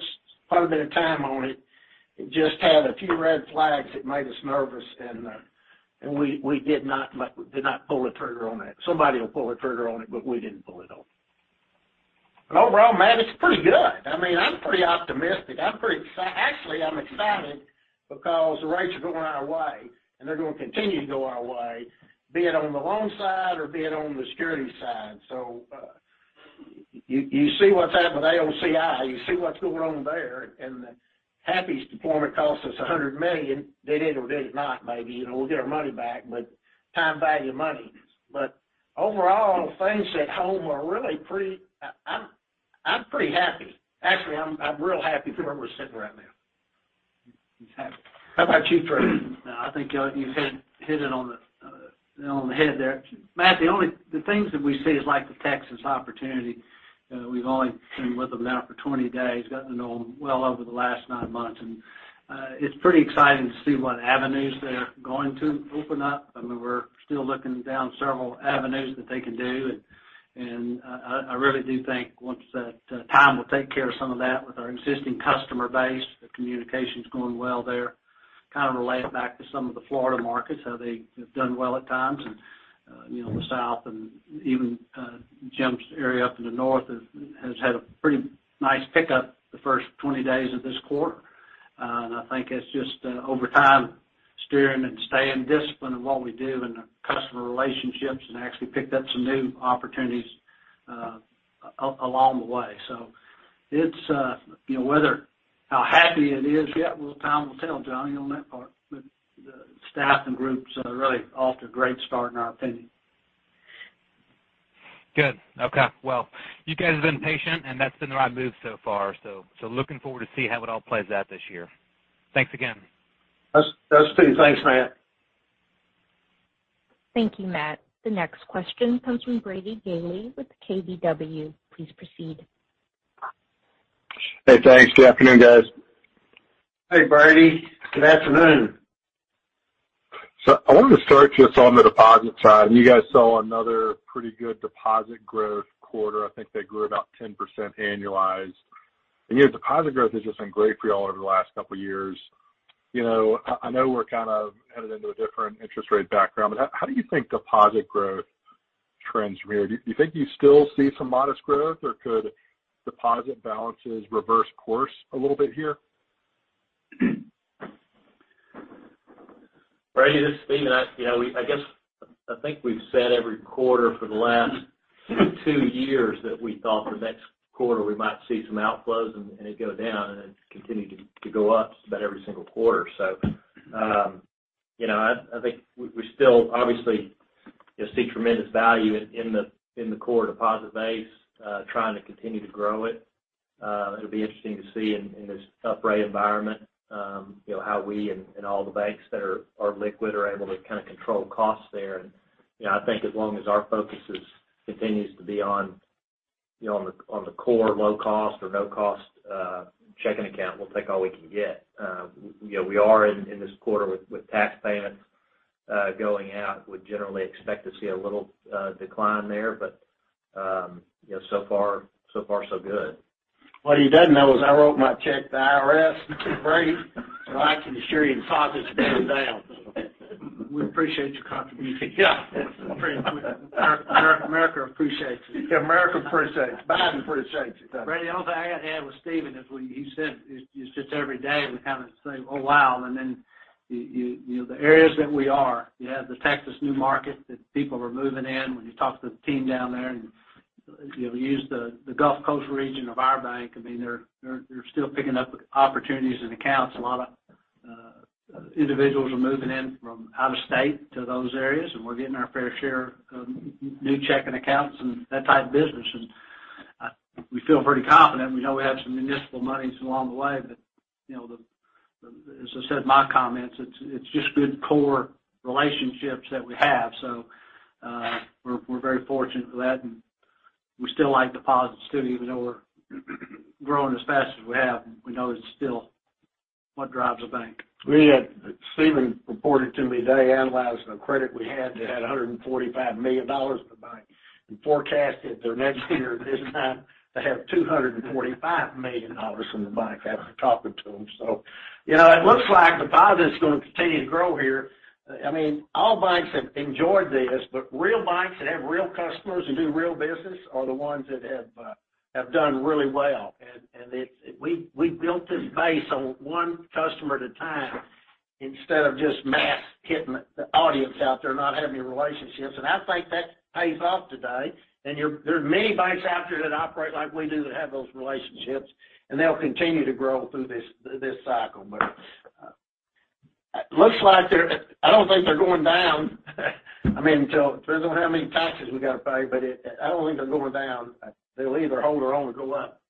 quite a bit of time on it. It just had a few red flags that made us nervous, and we did not pull the trigger on that. Somebody will pull the trigger on it, but we didn't pull it off. Overall, Matt, it's pretty good. I mean, I'm pretty optimistic. Actually, I'm excited because the rates are going our way, and they're going to continue to go our way, be it on the loan side or be it on the security side. You see what's happened with AOCI. You see what's going on there, and Happy's performance cost us $100 million. They did or did not, maybe. You know, we'll get our money back, but time, value, money. But overall, things at home are really pretty. I'm pretty happy. Actually, I'm real happy where we're sitting right now. How about you, Tracy? No, I think you hit it on the head there. Matt Olney, the things that we see is like the Texas opportunity. We've only been with them now for 20 days, gotten to know them well over the last nine months. It's pretty exciting to see what avenues they're going to open up. I mean, we're still looking down several avenues that they can do. I really do think once that time will take care of some of that with our existing customer base. The communication's going well there. Kinda relate it back to some of the Florida markets, how they have done well at times. You know, the South and even Jim's area up in the North has had a pretty nice pickup the first 20 days of this quarter. I think it's just over time, steering and staying disciplined in what we do and the customer relationships, and actually picked up some new opportunities along the way. It's you know, whether how happy it is yet, well, time will tell, John, on that part. The staff and groups are really off to a great start in our opinion. Good. Okay. Well, you guys have been patient, and that's been the right move so far, so looking forward to see how it all plays out this year. Thanks again. Us too. Thanks, Matt. Thank you, Matt. The next question comes from Brady Gailey with KBW. Please proceed. Hey, thanks. Good afternoon, guys. Hey, Brady. Good afternoon. I wanted to start just on the deposit side. You guys saw another pretty good deposit growth quarter. I think they grew about 10% annualized. Your deposit growth has just been great for y'all over the last couple of years. You know, I know we're kind of headed into a different interest rate environment, but how do you think deposit growth trends here? Do you think you still see some modest growth, or could deposit balances reverse course a little bit here? Brady, this is Stephen. You know, I guess I think we've said every quarter for the last two years that we thought the next quarter we might see some outflows and it go down, and it continued to go up just about every single quarter. You know, I think we still obviously see tremendous value in the core deposit base, trying to continue to grow it. It'll be interesting to see in this tight environment, you know, how we and all the banks that are liquid are able to kinda control costs there. You know, I think as long as our focus continues to be on the core low-cost or no-cost checking account, we'll take all we can get. You know, we are in this quarter with tax payments going out. We generally expect to see a little decline there. You know, so far so good. What he doesn't know is I wrote my check to IRS, Brady, so I can assure you deposits are going down. We appreciate your contribution. Yeah. America appreciates it. America appreciates it. Biden appreciates it. Brady Gailey, the only thing I gotta add with Stephen Tipton is what he said. It's just every day we kinda say, oh, wow, and then you know the areas that we are. You have the Texas new market that people are moving in when you talk to the team down there and you know use the Gulf Coast region of our bank. I mean, they're still picking up opportunities and accounts. A lot of individuals are moving in from out of state to those areas, and we're getting our fair share of new checking accounts and that type of business. We feel pretty confident. We know we have some municipal monies along the way, but you know the. As I said in my comments, it's just good core relationships that we have. We're very fortunate for that, and we still like deposits too even though we're growing as fast as we have. We know it's still what drives a bank. Stephen reported to me today, analyzing the credit we had. They had $145 million in the bank and forecasted their next year this time to have $245 million in the bank after talking to them. You know, it looks like deposit's gonna continue to grow here. I mean, all banks have enjoyed this, but real banks that have real customers and do real business are the ones that have done really well. It's we built this base on one customer at a time instead of just mass hitting the audience out there, not having any relationships. I think that pays off today. There are many banks out there that operate like we do, that have those relationships, and they'll continue to grow through this cycle. Looks like they're I don't think they're going down, I mean, until it depends on how many taxes we gotta pay, but I don't think they're going down. They'll either hold their own or go up.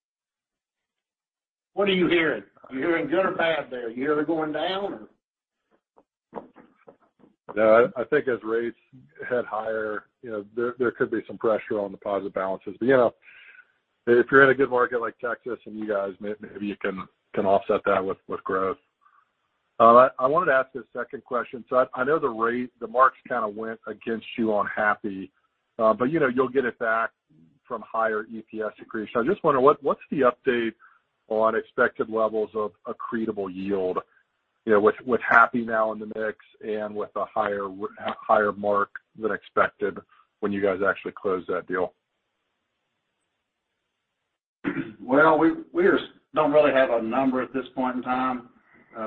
What are you hearing? Are you hearing good or bad there? You hear they're going down or? No. I think as rates head higher, you know, there could be some pressure on deposit balances. You know, if you're in a good market like Texas and you guys maybe you can offset that with growth. I wanted to ask this second question. I know the marks kinda went against you on Happy. You know, you'll get it back from higher EPS accretion. I just wonder what's the update on expected levels of accretable yield, you know, with Happy now in the mix and with a higher mark than expected when you guys actually close that deal? Well, we just don't really have a number at this point in time.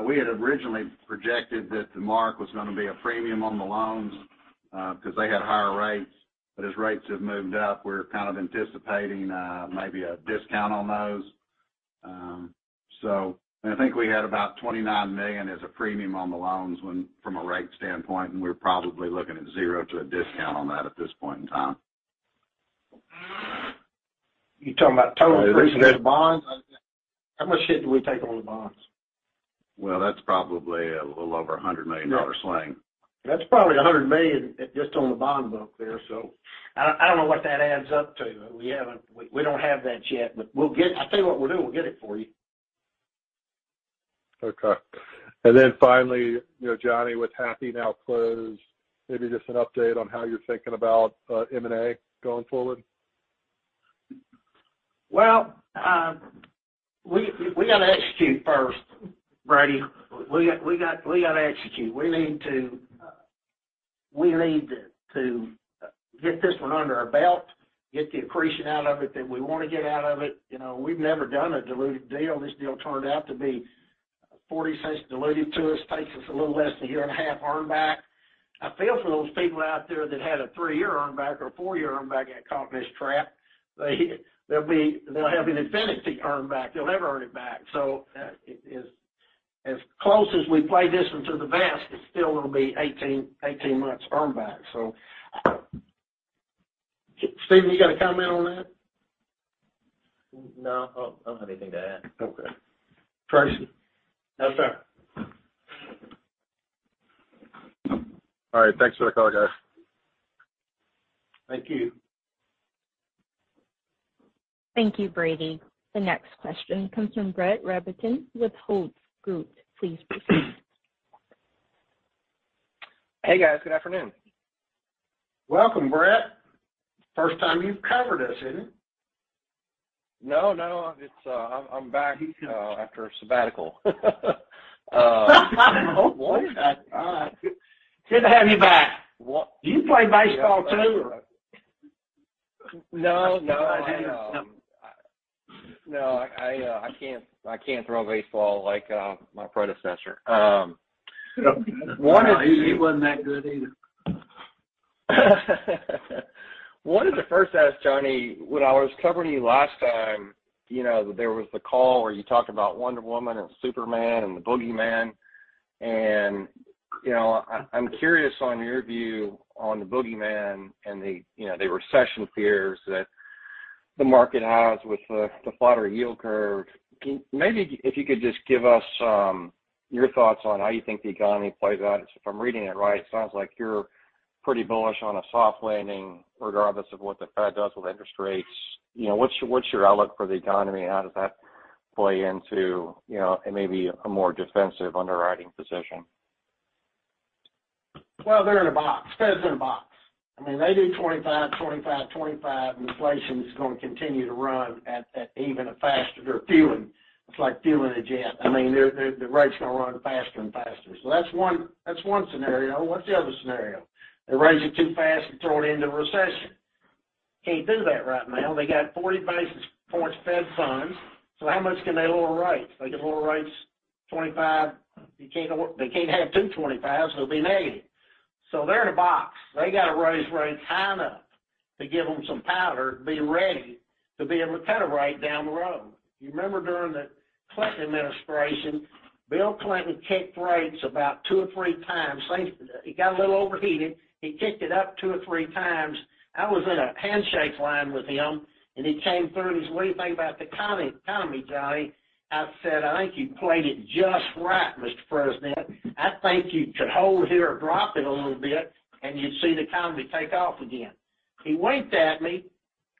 We had originally projected that the mark was gonna be a premium on the loans, because they had higher rates. As rates have moved up, we're kind of anticipating, maybe a discount on those. I think we had about $29 million as a premium on the loans when from a rate standpoint, and we're probably looking at zero to a discount on that at this point in time. You're talking about total increase in the bonds? How much hit did we take on the bonds? Well, that's probably a little over $100 million dollar swing. That's probably $100 million just on the bond book there. I don't know what that adds up to. We don't have that yet, but I tell you what we'll do, we'll get it for you. Okay. Finally, you know, John, with Happy now closed, maybe just an update on how you're thinking about M&A going forward. Well, we gotta execute first, Brady. We gotta execute. We need to get this one under our belt, get the accretion out of it that we want to get out of it. You know, we've never done a diluted deal. This deal turned out to be $0.40 diluted to us, takes us a little less than a year and a half earn back. I feel for those people out there that had a three-year earn back or a four-year earn back that caught in this trap. They'll be. They'll have an infinity earn back. They'll never earn it back. As close as we play this one to the vest, it's still gonna be 18 months earn back. Stephen, you got a comment on that? No. I don't have anything to add. Okay. Tracy? No, sir. All right. Thanks for the call, guys. Thank you. Thank you, Brady. The next question comes from Brett Rabatin with Hovde Group. Please proceed. Hey, guys. Good afternoon. Welcome, Brett. First time you've covered us, isn't it? I'm back after a sabbatical. Good to have you back. Do you play baseball too, or? No, I don't. No, I can't throw a baseball like my predecessor. One of the- He wasn't that good either. One of the first asks, John, when I was covering you last time, you know, there was the call where you talked about Wonder Woman and Superman and the boogeyman. You know, I'm curious on your view on the boogeyman and the, you know, the recession fears that the market has with the flatter yield curve. Maybe if you could just give us your thoughts on how you think the economy plays out. If I'm reading it right, it sounds like you're pretty bullish on a soft landing regardless of what the Fed does with interest rates. You know, what's your outlook for the economy? How does that play into, you know, maybe a more defensive underwriting position? Well, they're in a box. Fed's in a box. I mean, they do 25, 25, and inflation is gonna continue to run at even a faster. They're fueling. It's like fueling a jet. I mean, the rate's gonna run faster and faster. So that's one scenario. What's the other scenario? They raise it too fast and throw it into a recession. Can't do that right now. They got 40 basis points Fed funds. So how much can they lower rates? They can lower rates 25. They can't have two 25s. They'll be negative. So they're in a box. They gotta raise rates high enough to give them some powder to be ready to be able to cut it right down the road. You remember during the Clinton administration, Bill Clinton kicked rates about two or three times. He got a little overheated. He kicked it up two or three times. I was in a handshake line with him, and he came through and, "What do you think about the economy, Johnny?" I said, "I think you played it just right, Mr. President. I think you could hold here or drop it a little bit, and you'd see the economy take off again." He winked at me,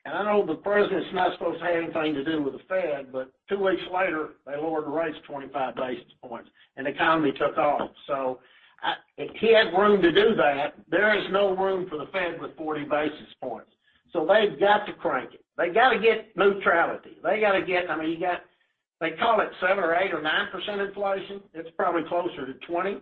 and I know the president's not supposed to have anything to do with the Fed, but two weeks later, they lowered the rates 25 basis points and the economy took off. If he had room to do that, there is no room for the Fed with 40 basis points. They've got to crank it. They gotta get neutrality. I mean, they call it seven or eight or nine % inflation. It's probably closer to 20%.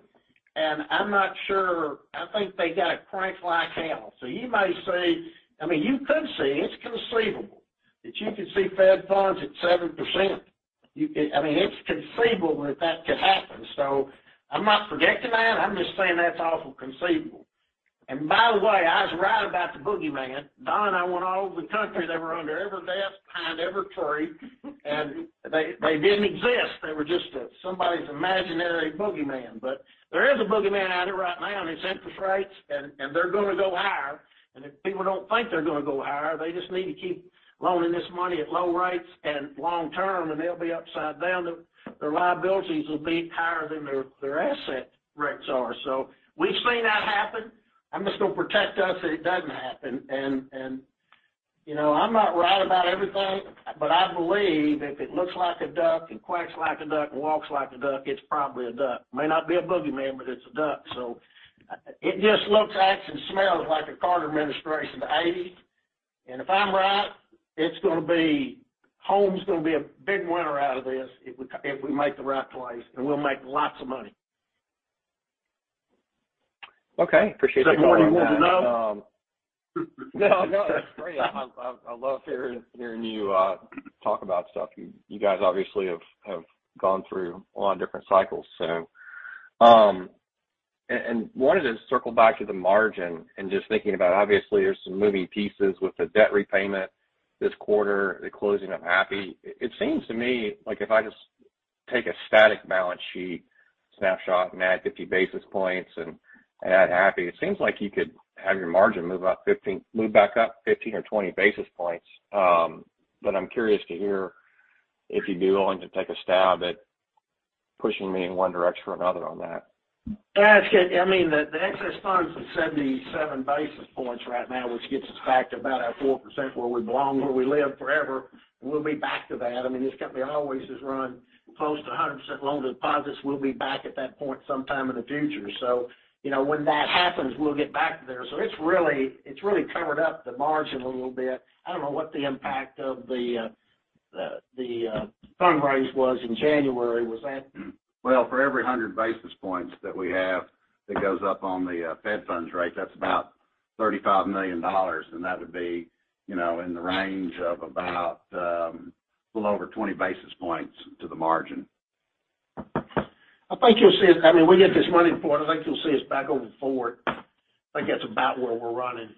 I'm not sure. I think they gotta crank like hell. You may see, I mean, you could see. It's conceivable that you could see Fed funds at 7%. I mean, it's conceivable that that could happen. I'm not predicting that. I'm just saying that's awfully conceivable. By the way, I was right about the boogeyman. Don and I went all over the country. They were under every desk, behind every tree, and they didn't exist. They were just somebody's imaginary boogeyman. There is a boogeyman out here right now, and it's interest rates, and they're gonna go higher. If people don't think they're gonna go higher, they just need to keep loaning this money at low rates and long term, and they'll be upside down. Their liabilities will be higher than their asset rates are. We've seen that happen. I'm just gonna protect us, so it doesn't happen. You know, I'm not right about everything, but I believe if it looks like a duck, and quacks like a duck, and walks like a duck, it's probably a duck. May not be a boogeyman, but it's a duck. It just looks, acts, and smells like a Carter administration, the '80s. If I'm right, it's gonna be Home's gonna be a big winner out of this if we make the right plays, and we'll make lots of money. Okay. Appreciate the call. Is that more than you wanted to know? No, that's great. I love hearing you talk about stuff. You guys obviously have gone through a lot of different cycles. I wanted to circle back to the margin and just thinking about obviously there's some moving pieces with the debt repayment this quarter, the closing of Happy. It seems to me like if I just take a static balance sheet snapshot and add 50 basis points and add Happy, it seems like you could have your margin move back up 15 or 20 basis points. I'm curious to hear if you'd be willing to take a stab at pushing me in one direction or another on that. Yeah, it's I mean, the excess funds is 77 basis points right now, which gets us back to about our 4% where we belong, where we live forever. We'll be back to that. I mean, this company always has run close to a 100% loan deposits. We'll be back at that point sometime in the future. You know, when that happens, we'll get back there. It's really covered up the margin a little bit. I don't know what the impact of the fundraise was in January. Was that... Well, for every 100 basis points that we have that goes up on the Fed funds rate, that's about $35 million, and that would be, you know, in the range of about a little over 20 basis points to the margin. I think you'll see. I mean, we get this money deployed, I think you'll see us back over 4%. I think that's about where we're running.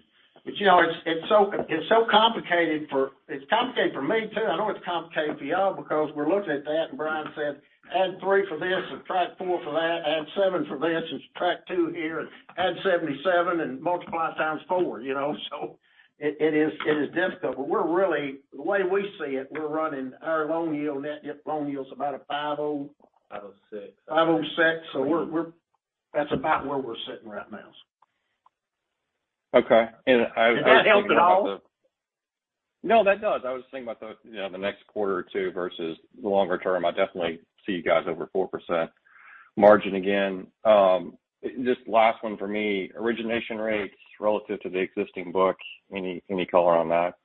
You know, it's so complicated. It's complicated for me, too. I know it's complicated for y'all because we're looking at that and Brian said, "Add three for this and add four for that, add seven for this, and add two here, and add 77 and multiply 4x." You know, so it is difficult. We're really, the way we see it, we're running our loan yield net, loan yield's about a 5.0%. 5:06%. 5:06%. That's about where we're sitting right now. Okay. I was thinking about the Does that help at all? No, that does. I was just thinking about the, you know, the next quarter or two versus the longer term. I definitely see you guys over 4% margin again. Just last one for me. Origination rates relative to the existing book, any color on that?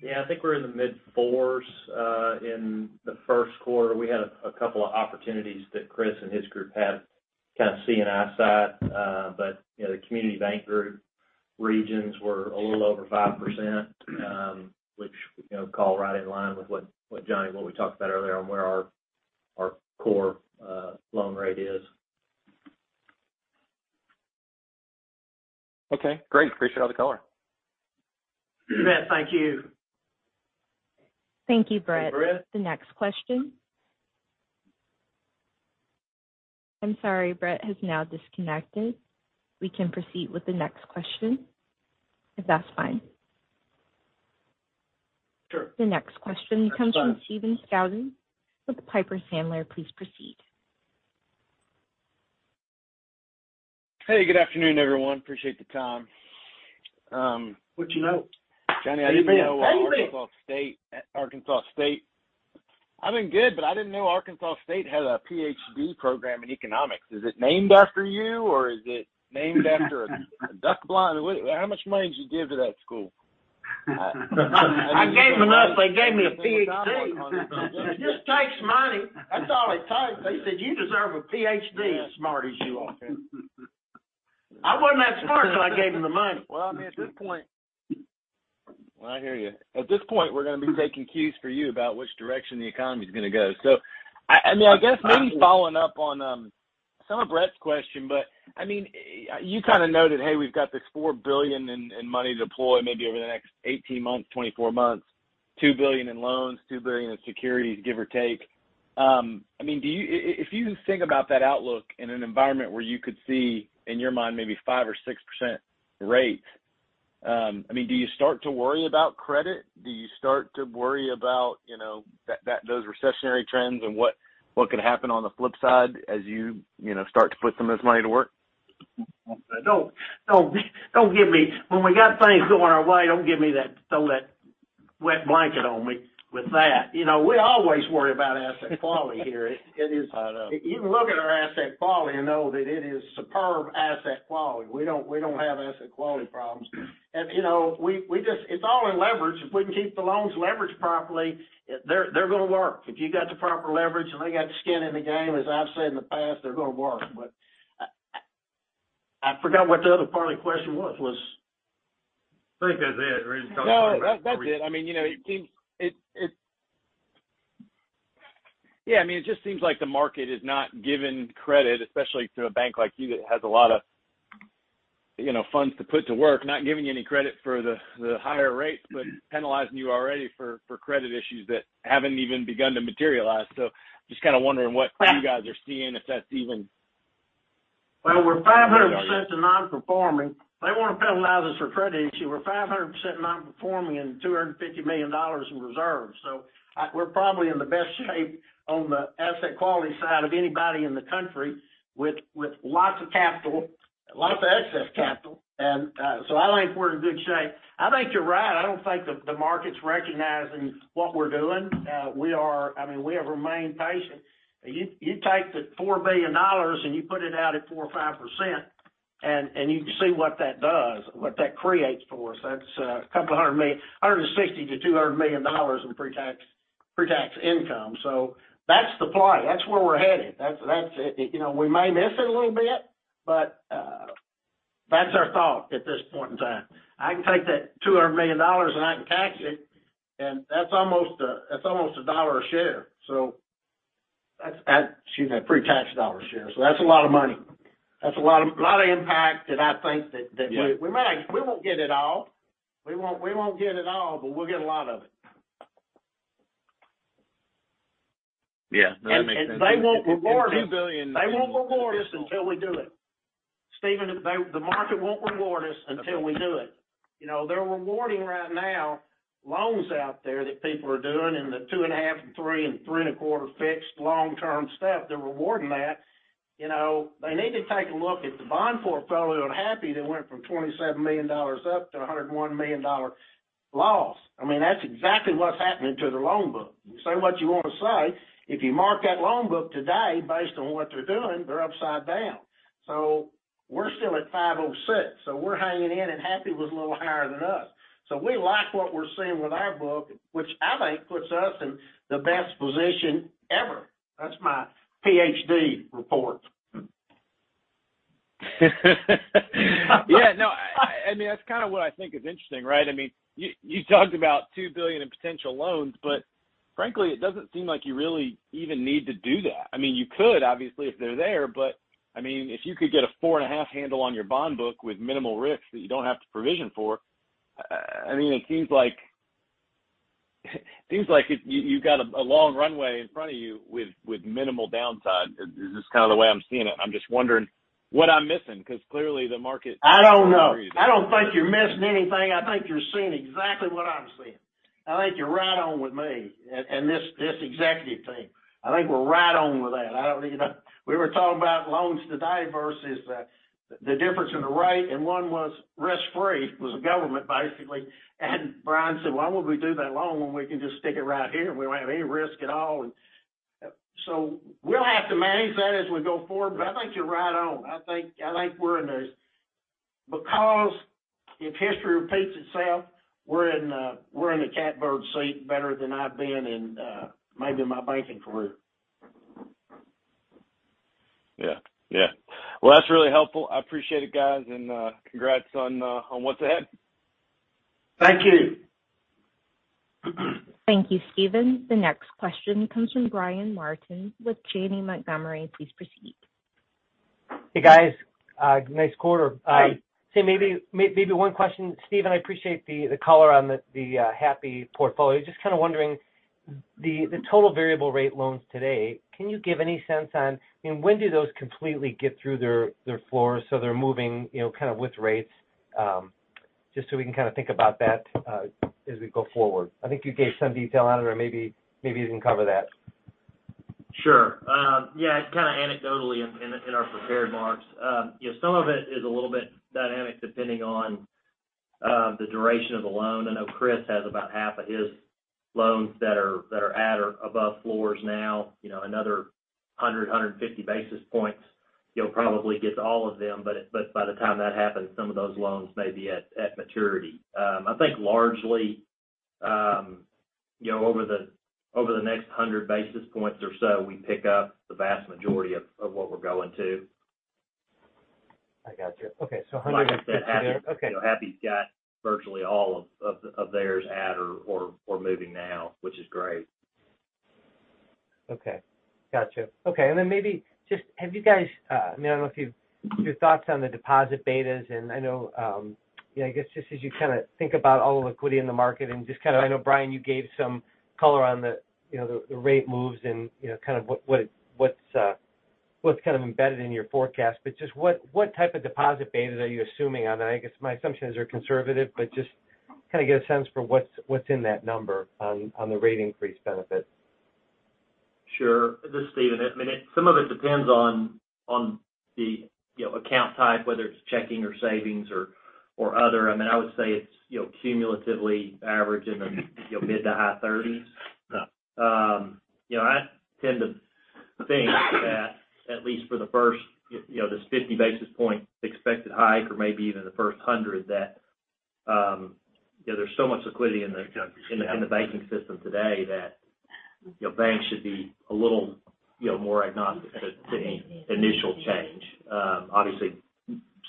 Yeah. I think we're in the mid-fours in the first quarter. We had a couple of opportunities that Chris and his group had kind of C&I side. But you know the community bank group regions were a little over 5%, which you know calls right in line with what Johnny we talked about earlier on where our core loan rate is. Okay, great. Appreciate all the color. Brett, thank you. Thank you, Brett. Thanks, Brett. The next question. I'm sorry, Brett has now disconnected. We can proceed with the next question, if that's fine. Sure. The next question comes from Stephen Scouten with Piper Sandler. Please proceed. Hey, good afternoon, everyone. Appreciate the time. What'd you know? Johnny, I didn't know. How you been? Arkansas State. I've been good, but I didn't know Arkansas State had a PhD program in economics. Is it named after you or is it named after a duck blind? How much money did you give to that school? I gave them enough, they gave me a PhD. It just takes money. That's all it takes. They said, "You deserve a PhD, as smart as you are." I wasn't that smart until I gave them the money. Well, I hear you. At this point, we're gonna be taking cues from you about which direction the economy is gonna go. I mean, I guess maybe following up on some of Brett's question, but I mean, you kinda noted, hey, we've got this $4 billion in money to deploy maybe over the next 18 months, 24 months, $2 billion in loans, $2 billion in securities, give or take. I mean, if you think about that outlook in an environment where you could see, in your mind, maybe 5% or 6% rates, do you start to worry about credit? Do you start to worry about, you know, those recessionary trends and what could happen on the flip side as you know, start to put some of this money to work? Don't give me that. When we got things going our way, don't give me that, throw that wet blanket on me with that. You know, we always worry about asset quality here. I know. You can look at our asset quality and know that it is superb asset quality. We don't have asset quality problems. You know, it's all in leverage. If we can keep the loans leveraged properly, they're gonna work. If you got the proper leverage, and they got skin in the game, as I've said in the past, they're gonna work. But I forgot what the other part of the question was. Was- I think that's it. We can talk about. No, that's it. I mean, you know, it just seems like the market is not giving credit, especially to a bank like you that has a lot of, you know, funds to put to work, not giving you any credit for the higher rates, but penalizing you already for credit issues that haven't even begun to materialize. Just kinda wondering what you guys are seeing, if that's even. Well, we're 500% in non-performing. They wanna penalize us for credit issue. We're 500% non-performing and $250 million in reserves. We're probably in the best shape on the asset quality side of anybody in the country with lots of capital, lots of excess capital. I think we're in good shape. I think you're right. I don't think the market's recognizing what we're doing. I mean, we have remained patient. You take the $4 billion and you put it out at 4% or 5%. You can see what that does, what that creates for us. That's a couple hundred million, $160 million-$200 million in pre-tax income. That's the play. That's where we're headed. That's it. You know, we may miss it a little bit, but that's our thought at this point in time. I can take that $200 million and I can tax it, and that's almost a dollar a share. Excuse me, pre-tax dollar a share. That's a lot of money. That's a lot of impact, and I think that. Yeah. We won't get it all, but we'll get a lot of it. Yeah. No, that makes sense. They won't reward it. $2 billion in- They won't reward us until we do it. Stephen, the market won't reward us until we do it. You know, they're rewarding right now loans out there that people are doing in the 2.5 and 3 and 3.25 fixed long-term stuff. They're rewarding that. You know, they need to take a look at the bond portfolio and Happy that went from $27 million up to a $101 million loss. I mean, that's exactly what's happening to their loan book. You say what you wanna say, if you mark that loan book today based on what they're doing, they're upside down. We're still at 506, so we're hanging in, and Happy was a little higher than us. We like what we're seeing with our book, which I think puts us in the best position ever. That's my PhD report. Yeah, no. I mean, that's kinda what I think is interesting, right? I mean, you talked about $2 billion in potential loans, but frankly, it doesn't seem like you really even need to do that. I mean, you could obviously if they're there, but, I mean, if you could get a 4.5 handle on your bond book with minimal risk that you don't have to provision for, I mean, it seems like you got a long runway in front of you with minimal downside. This is kind of the way I'm seeing it. I'm just wondering what I'm missing because clearly the market- I don't know. I don't think you're missing anything. I think you're seeing exactly what I'm seeing. I think you're right on with me and this executive team. I think we're right on with that. We were talking about loans today versus the difference in the rate, and one was risk-free. It was the government, basically. Brian said, "Why would we do that loan when we can just stick it right here and we won't have any risk at all?" We'll have to manage that as we go forward, but I think you're right on. I think we're in a catbird seat better than I've been in, maybe my banking career. Because if history repeats itself, we're in a catbird seat. Yeah. Yeah. Well, that's really helpful. I appreciate it, guys, and congrats on the, on what's ahead. Thank you. Thank you, Stephen. The next question comes from Brian Martin with Janney Montgomery Scott. Please proceed. Hey, guys. Nice quarter. Hi. Maybe one question. Stephen, I appreciate the color on the Happy portfolio. Just kinda wondering, the total variable rate loans today, can you give any sense on, I mean, when do those completely get through their floors so they're moving, you know, kind of with rates? Just so we can kinda think about that as we go forward. I think you gave some detail on it or maybe you can cover that. Sure. Yeah, kind of anecdotally in our prepared remarks. You know, some of it is a little bit dynamic depending on the duration of the loan. I know Chris has about half of his loans that are at or above floors now. You know, another 150 basis points, you'll probably get to all of them, but by the time that happens, some of those loans may be at maturity. I think largely, you know, over the next 100 basis points or so, we pick up the vast majority of what we're going to. I gotcha. Okay. Like I said, Happy. Okay. You know, Happy's got virtually all of theirs at or moving now, which is great. Okay. Gotcha. Okay. Then maybe just have you guys, I mean, your thoughts on the deposit betas, and I know, yeah, I guess just as you kinda think about all the liquidity in the market and just kinda, I know, Brian, you gave some color on the, you know, the rate moves and, you know, kind of what's kind of embedded in your forecast. But just what type of deposit betas are you assuming on that? I guess my assumption is they're conservative, but just kinda get a sense for what's in that number on the rate increase benefit. Sure. This is Stephen. I mean, some of it depends on the you know account type, whether it's checking or savings or other. I mean, I would say it's you know cumulatively averaging you know mid- to high 30s. You know, I tend to think that at least for the first you know this 50 basis point expected hike or maybe even the first 100 that you know there's so much liquidity in the banking system today that you know banks should be a little you know more agnostic to any initial change. Obviously,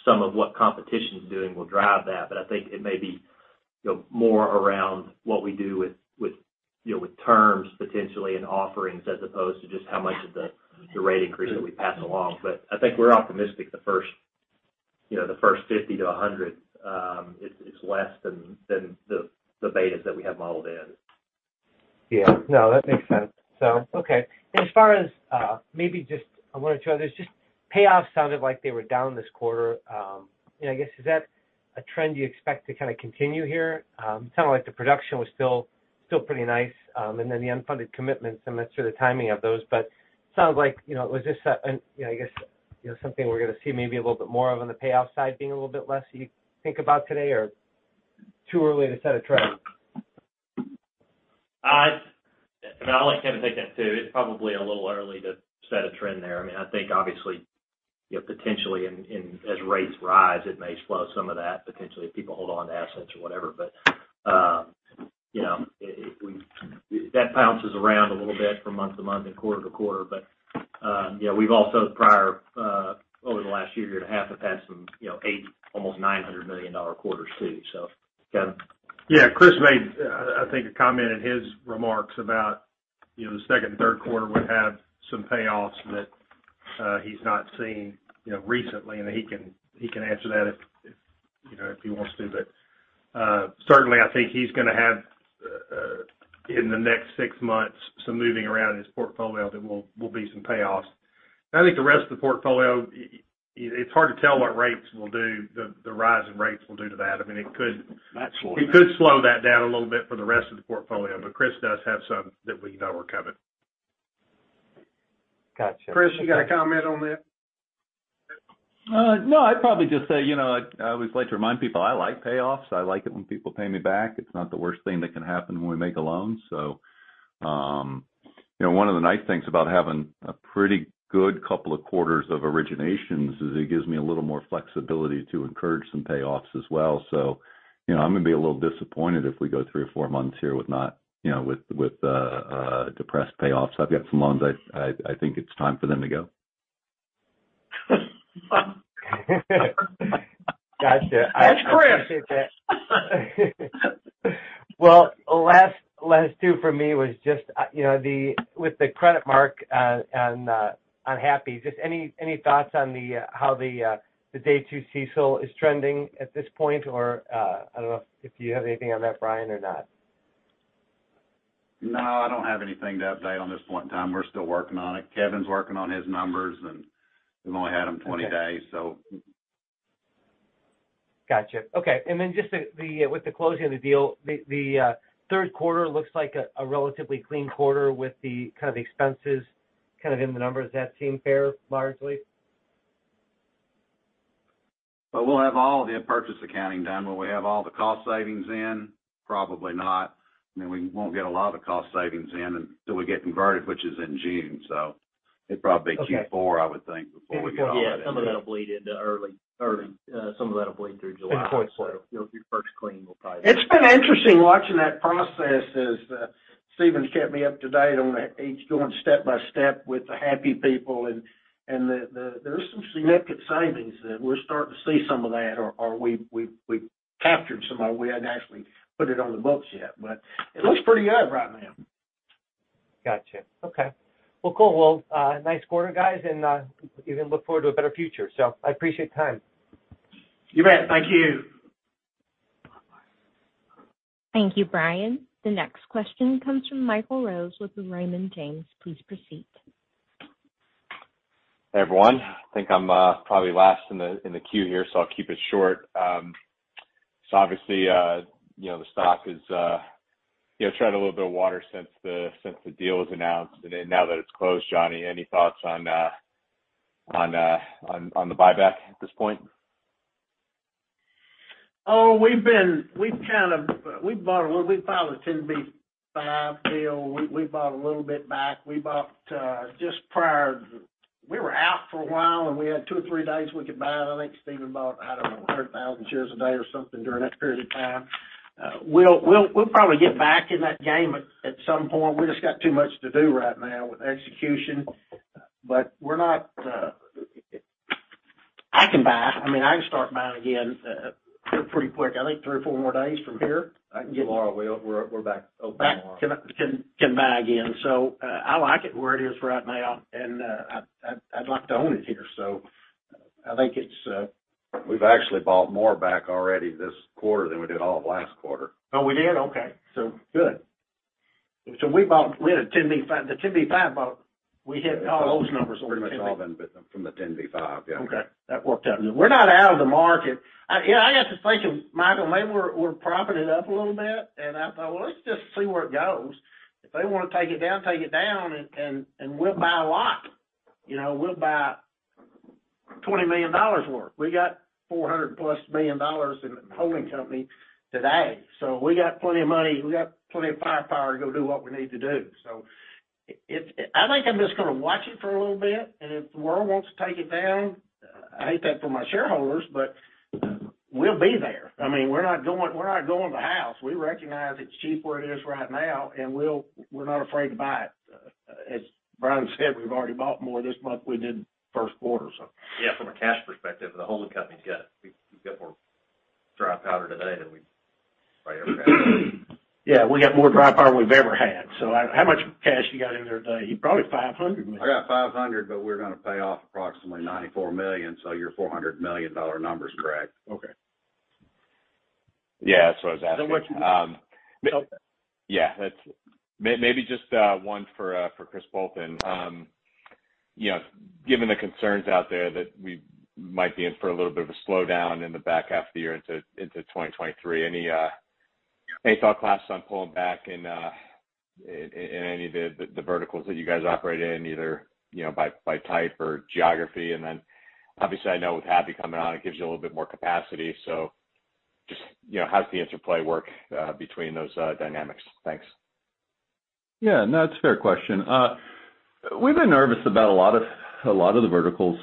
some of what competition's doing will drive that, but I think it may be you know more around what we do with you know with terms potentially and offerings, as opposed to just how much of the rate increase that we pass along. I think we're optimistic the first 50-100 is less than the betas that we have modeled in. Yeah. No, that makes sense. Okay. As far as maybe just one or two others, just payoffs sounded like they were down this quarter. You know, I guess, is that a trend you expect to kinda continue here? Sounded like the production was still pretty nice. Then the unfunded commitments, I'm not sure the timing of those, but sounds like, you know, it was just an, you know, I guess, you know, something we're gonna see maybe a little bit more of on the payoff side being a little bit less you think about today or too early to set a trend? I'll let Kevin take that too. It's probably a little early to set a trend there. I mean, I think obviously, you know, potentially as rates rise, it may slow some of that potentially if people hold on to assets or whatever. You know, that bounces around a little bit from month to month and quarter to quarter. You know, we've also prior over the last year and a half have had some, you know, $800 million, almost $900 million quarters too. Kevin. Yeah. Chris made, I think a comment in his remarks about, you know, the second and third quarter would have some payoffs that, he's not seen, you know, recently, and he can answer that if, you know, if he wants to. Certainly I think he's gonna have, in the next six months, some moving around in his portfolio that will be some payoffs. I think the rest of the portfolio, it's hard to tell what rates will do, the rise in rates will do to that. I mean, it could. Let's slow down. It could slow that down a little bit for the rest of the portfolio, but Chris does have some that we know are coming. Got you. Chris, you got a comment on that? No, I'd probably just say, you know, I always like to remind people, I like payoffs. I like it when people pay me back. It's not the worst thing that can happen when we make a loan. You know, one of the nice things about having a pretty good couple of quarters of originations is it gives me a little more flexibility to encourage some payoffs as well. You know, I'm gonna be a little disappointed if we go three or four months here with not, you know, with depressed payoffs. I've got some loans, I think it's time for them to go. Gotcha. I appreciate that. That's Chris. Well, last two for me was just, you know, with the credit mark on Happy, just any thoughts on how the day two CECL is trending at this point? Or, I don't know if you have anything on that, Brian, or not. No, I don't have anything to update on this point in time. We're still working on it. Kevin's working on his numbers, and we've only had them 20 days, so. Got you. Okay. Just the with the closing of the deal, the third quarter looks like a relatively clean quarter with the kind of expenses kind of in the numbers. Does that seem fair, largely? Well, we'll have all the purchase accounting done. Will we have all the cost savings in? Probably not. I mean, we won't get a lot of the cost savings in until we get converted, which is in June. It'd probably be. Okay. Q4, I would think, before we get all that in. Yeah. Some of that'll bleed through July. Good point. Your first clean will probably- It's been interesting watching that process as Stephen's kept me up to date on each going step by step with the Happy people. There is some significant savings that we're starting to see some of that or we've captured some of it. We hadn't actually put it on the books yet, but it looks pretty good right now. Got you. Okay. Well, cool. Well, nice quarter, guys, and you can look forward to a better future. I appreciate the time. You bet. Thank you. Thank you, Brian. The next question comes from Michael Rose with Raymond James. Please proceed. Hey, everyone. I think I'm probably last in the queue here, so I'll keep it short. Obviously, you know, the stock has you know tread a little bit of water since the deal was announced. Now that it's closed, John, any thoughts on the buyback at this point? We've bought a little. We filed a 10b5-1 deal. We bought a little bit back. We bought just prior. We were out for a while, and we had two or three days we could buy it. I think Stephen bought, I don't know, 100,000 shares a day or something during that period of time. We'll probably get back in that game at some point. We just got too much to do right now with execution. We're not. I can buy. I mean, I can start buying again pretty quick. I think three or four more days from here, I can get- Tomorrow, we're back. Opening tomorrow. I can buy again. I like it where it is right now and I'd like to own it here. I think it's We've actually bought more back already this quarter than we did all of last quarter. Oh, we did? Okay. Good. We had a 10b5-1. We hit all those numbers on the 10b5-1. Pretty much all been from the 10b5-1. Yeah. Okay. That worked out. We're not out of the market. I, you know, I got to thinking, Michael, maybe we're propping it up a little bit and I thought, well, let's just see where it goes. If they wanna take it down, take it down, and we'll buy a lot. You know, we'll buy $20 million worth. We got $400+ million in the holding company today. We got plenty of money. We got plenty of firepower to go do what we need to do. It, I think I'm just gonna watch it for a little bit, and if the world wants to take it down, I hate that for my shareholders, but we'll be there. I mean, we're not going to house. We recognize it's cheap where it is right now, and we're not afraid to buy it. As Brian said, we've already bought more this month than we did first quarter, so. Yeah. From a cash perspective, we've got more dry powder today than we probably ever had. Yeah. We got more dry powder than we've ever had. How much cash you got in there today? You probably $500 million. I got $500, but we're gonna pay off approximately $94 million, so your $400 million number's correct. Okay. Yeah. That's what I was asking. So what- Yeah. Maybe just one for Chris Poulton. You know, given the concerns out there that we might be in for a little bit of a slowdown in the back half of the year into 2023, any thought process on pulling back in any of the verticals that you guys operate in, either by type or geography? Obviously, I know with Happy coming on, it gives you a little bit more capacity. So Just, you know, how does the interplay work between those dynamics? Thanks. Yeah, no, it's a fair question. We've been nervous about a lot of the verticals,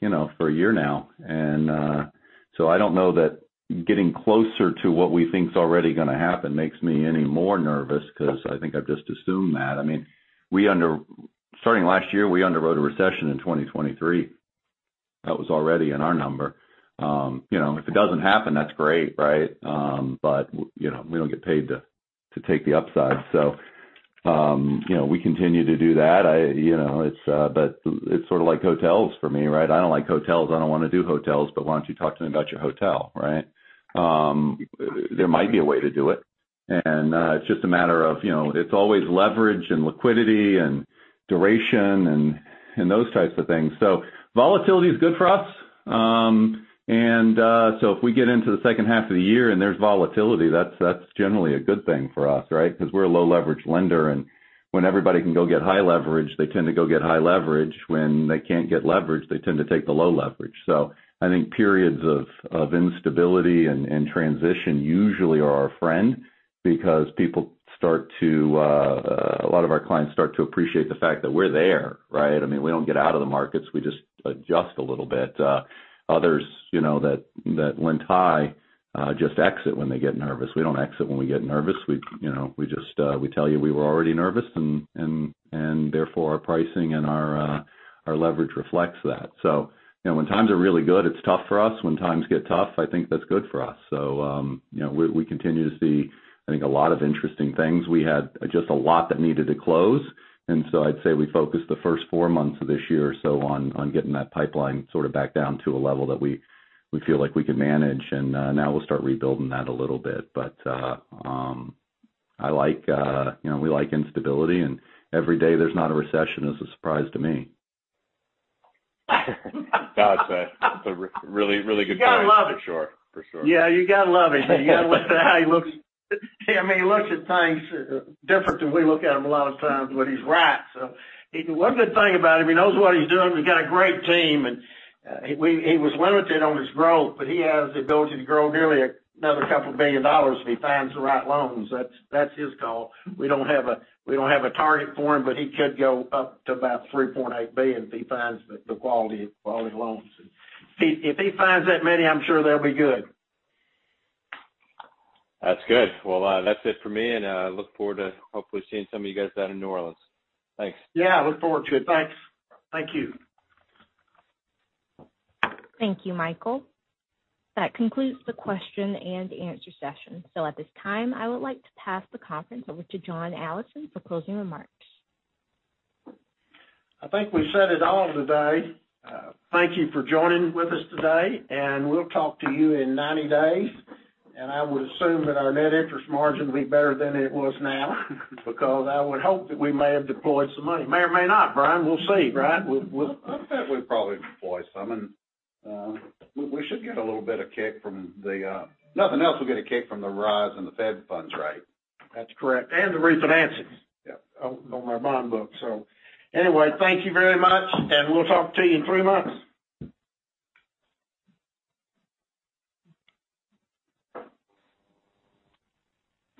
you know, for a year now. I don't know that getting closer to what we think is already gonna happen makes me any more nervous because I think I've just assumed that. I mean, starting last year, we underwrote a recession in 2023. That was already in our number. You know, if it doesn't happen, that's great, right? You know, we don't get paid to take the upside. You know, we continue to do that. You know, it's sort of like hotels for me, right? I don't like hotels. I don't wanna do hotels, but why don't you talk to me about your hotel, right? There might be a way to do it. It's just a matter of, you know, it's always leverage and liquidity and duration and those types of things. Volatility is good for us. If we get into the second half of the year and there's volatility, that's generally a good thing for us, right? Because we're a low leverage lender. When everybody can go get high leverage, they tend to go get high leverage. When they can't get leverage, they tend to take the low leverage. I think periods of instability and transition usually are our friend because a lot of our clients start to appreciate the fact that we're there, right? I mean, we don't get out of the markets. We just adjust a little bit. Others, you know, that lent high just exit when they get nervous. We don't exit when we get nervous. We, you know, we just tell you we were already nervous and therefore our pricing and our leverage reflects that. You know, when times are really good, it's tough for us. When times get tough, I think that's good for us. You know, we continue to see, I think, a lot of interesting things. We had just a lot that needed to close, and so I'd say we focused the first four months of this year or so on getting that pipeline sort of back down to a level that we feel like we can manage. Now we'll start rebuilding that a little bit. I like, you know, we like instability, and every day there's not a recession is a surprise to me. That's a really good point. You gotta love it. For sure. For sure. Yeah, you gotta love it. You gotta listen to how he looks. I mean, he looks at things different than we look at them a lot of times, but he's right. One good thing about him, he knows what he's doing. He's got a great team, and he was limited on his growth, but he has the ability to grow nearly another $2 billion if he finds the right loans. That's his call. We don't have a target for him, but he could go up to about $3.8 billion if he finds the quality loans. If he finds that many, I'm sure they'll be good. That's good. Well, that's it for me, and look forward to hopefully seeing some of you guys out in New Orleans. Thanks. Yeah, look forward to it. Thanks. Thank you. Thank you, Michael. That concludes the question-and-answer session. At this time, I would like to pass the conference over to John Allison for closing remarks. I think we said it all today. Thank you for joining with us today, and we'll talk to you in 90 days. I would assume that our net interest margin will be better than it was now, because I would hope that we may have deployed some money. May or may not, Brian. We'll see, Brian. I bet we'll probably deploy some. Nothing else will get a kick from the rise in the Fed funds rate. That's correct. The refinances. Yeah. On our bond book. Anyway, thank you very much, and we'll talk to you in three months.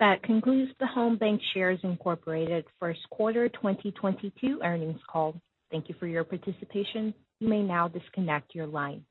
That concludes the Home BancShares, Inc. first quarter 2022 earnings call. Thank you for your participation. You may now disconnect your line.